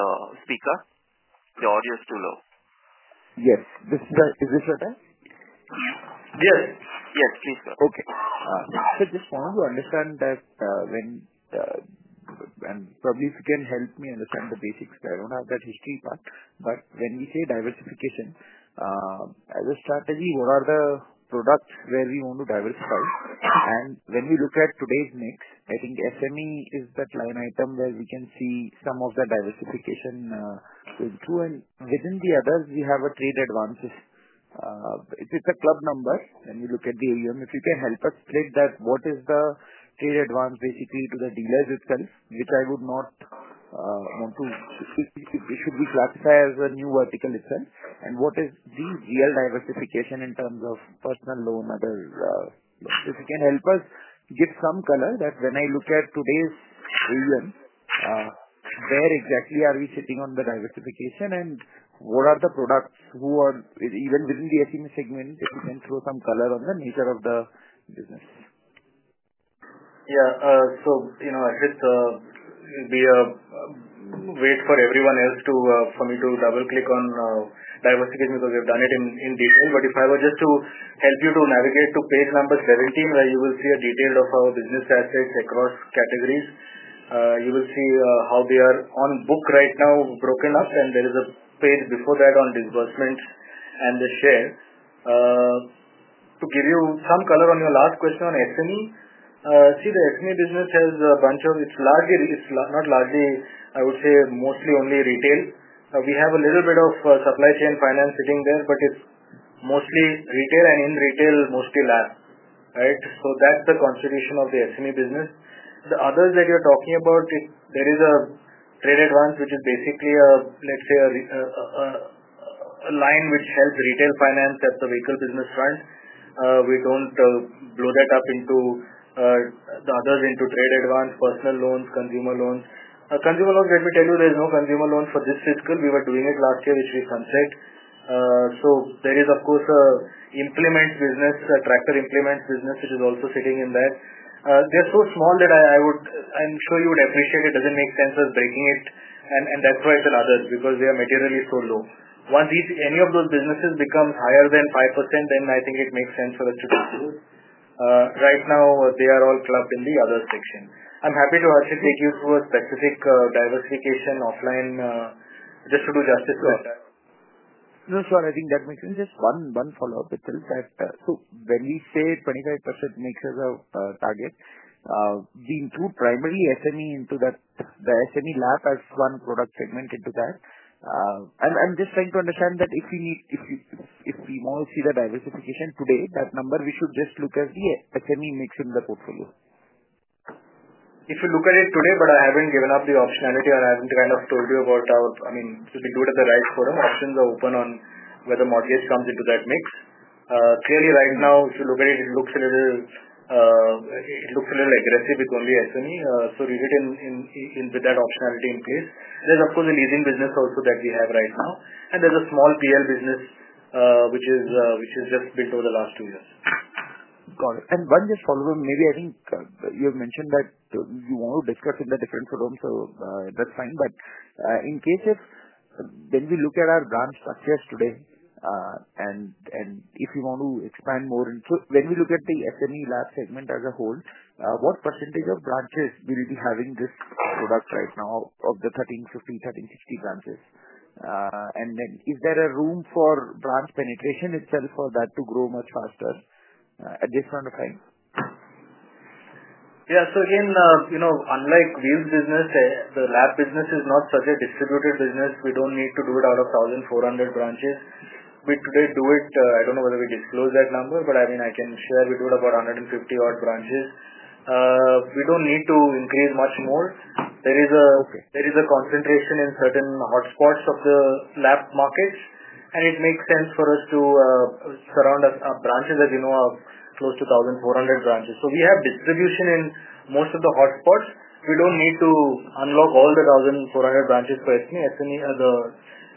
speak up? The audio is too low. Yes. This is Harshit. Yes. Yes, please go. Okay. Just wanted to understand that when, and probably if you can help me understand the basics, I do not have that history part. When we say diversification as a strategy, what are the products where we want to diversify? When we look at today's mix, I think SME is that line item where we can see some of the diversification going through. Within the others, we have trade advances. If it is a club number, when we look at the AUM, if you can help us split that, what is the trade advance basically to the dealers itself, which I would not want to, it should be classified as a new vertical itself. What is the real diversification in terms of personal loan? If you can help us give some color that when I look at today's AUM, where exactly are we sitting on the diversification, and what are the products who are even within the SME segment, if you can throw some color on the nature of the business. Yeah. Harshit, it would be a wait for everyone else for me to double-click on diversification because we have done it in detail. If I were just to help you navigate to page number 17, where you will see a detail of our business assets across categories, you will see how they are on book right now, broken up, and there is a page before that on disbursements and the share. To give you some color on your last question on SME, the SME business has a bunch of, it's largely, it's not largely, I would say, mostly only retail. We have a little bit of supply chain finance sitting there, but it's mostly retail and in retail, mostly lab, right? That's the constitution of the SME business. The others that you're talking about, there is a trade advance, which is basically a, let's say, a line which helps retail finance at the vehicle business front. We don't blow that up into the others into trade advance, personal loans, consumer loans. Consumer loans, let me tell you, there is no consumer loan for this fiscal. We were doing it last year, which we canceled. There is, of course, a implement business, a tractor implement business, which is also sitting in there. They're so small that I would, I'm sure you would appreciate it doesn't make sense as breaking it. That's why it's an other, because they are materially so low. Once any of those businesses becomes higher than 5%, then I think it makes sense for us to consider it. Right now, they are all clubbed in the other section. I'm happy to, Harshit, take you to a specific diversification offline just to do justice to our time. No, sure. I think that makes sense. Just one follow-up, Vital that so when we say 25% mix as a target, we include primarily SME into that. The SME lab as one product segment into that. I'm just trying to understand that if we need, if we more see the diversification today, that number, we should just look as the SME mix in the portfolio. If you look at it today, I haven't given up the optionality or I haven't kind of told you about our, I mean, to be good at the right forum, options are open on whether mortgage comes into that mix. Clearly, right now, if you look at it, it looks a little, it looks a little aggressive with only SME. Read it with that optionality in place. There is, of course, a leasing business also that we have right now. There is a small PL business, which is just built over the last two years. Got it. One just follow-up. Maybe I think you have mentioned that you want to discuss in the different forums, so that's fine. In case if when we look at our branch structures today, and if you want to expand more, when we look at the SME lab segment as a whole, what percentage of branches will be having this product right now of the 1,350-1,360 branches? Is there a room for branch penetration itself for that to grow much faster at this point of time? Yeah. Again, unlike wheels business, the lab business is not such a distributed business. We do not need to do it out of 1,400 branches. We today do it, I do not know whether we disclose that number, but I mean, I can share we do it about 150-odd branches. We do not need to increase much more. There is a concentration in certain hotspots of the lab markets, and it makes sense for us to surround our branches, as you know, close to 1,400 branches. We have distribution in most of the hotspots. We do not need to unlock all the 1,400 branches for SME. The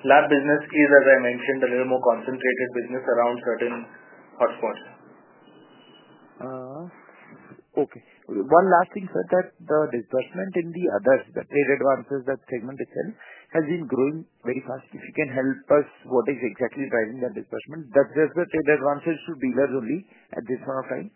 lab business is, as I mentioned, a little more concentrated business around certain hotspots. Okay. One last thing, sir, that the disbursement in the others, the trade advances, that segment itself has been growing very fast. If you can help us, what is exactly driving that disbursement? Does the trade advances to dealers only at this point of time?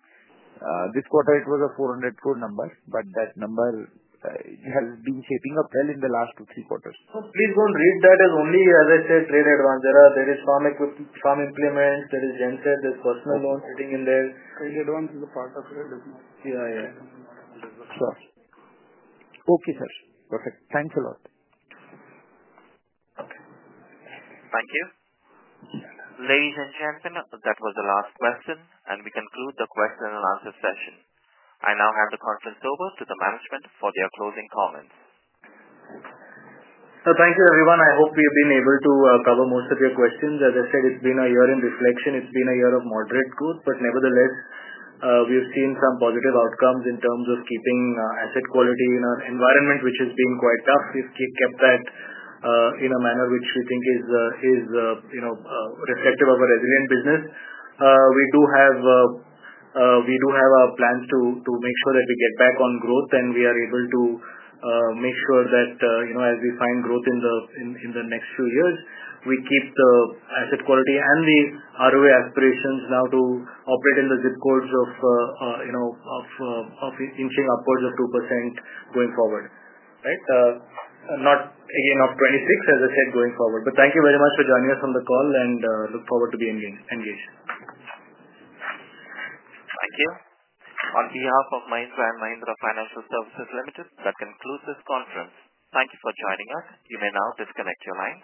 This quarter, it was an 400 crore number, but that number has been shaping up well in the last two, three quarters. Please do not read that as only, as I said, trade advances. There is farm equipment, farm implements, there is genset, there is personal loans sitting in there. Trade advance is a part of it, isn't it? Yeah, yeah. Sure. Okay, sir. Perfect. Thanks a lot. Okay. Thank you. Ladies and gentlemen, that was the last question, and we conclude the question and answer session. I now hand the conference over to the management for their closing comments. Thank you, everyone. I hope we have been able to cover most of your questions. As I said, it has been a year in reflection. It has been a year of moderate growth, but nevertheless, we have seen some positive outcomes in terms of keeping asset quality in our environment, which has been quite tough. We have kept that in a manner which we think is reflective of a resilient business. We do have our plans to make sure that we get back on growth, and we are able to make sure that as we find growth in the next few years, we keep the asset quality and the ROA aspirations now to operate in the zip codes of inching upwards of 2% going forward, right? Not again of 2026, as I said, going forward. Thank you very much for joining us on the call, and look forward to being engaged. Thank you. On behalf of Mahindra & Mahindra Financial Services Limited, that concludes this conference. Thank you for joining us. You may now disconnect your line.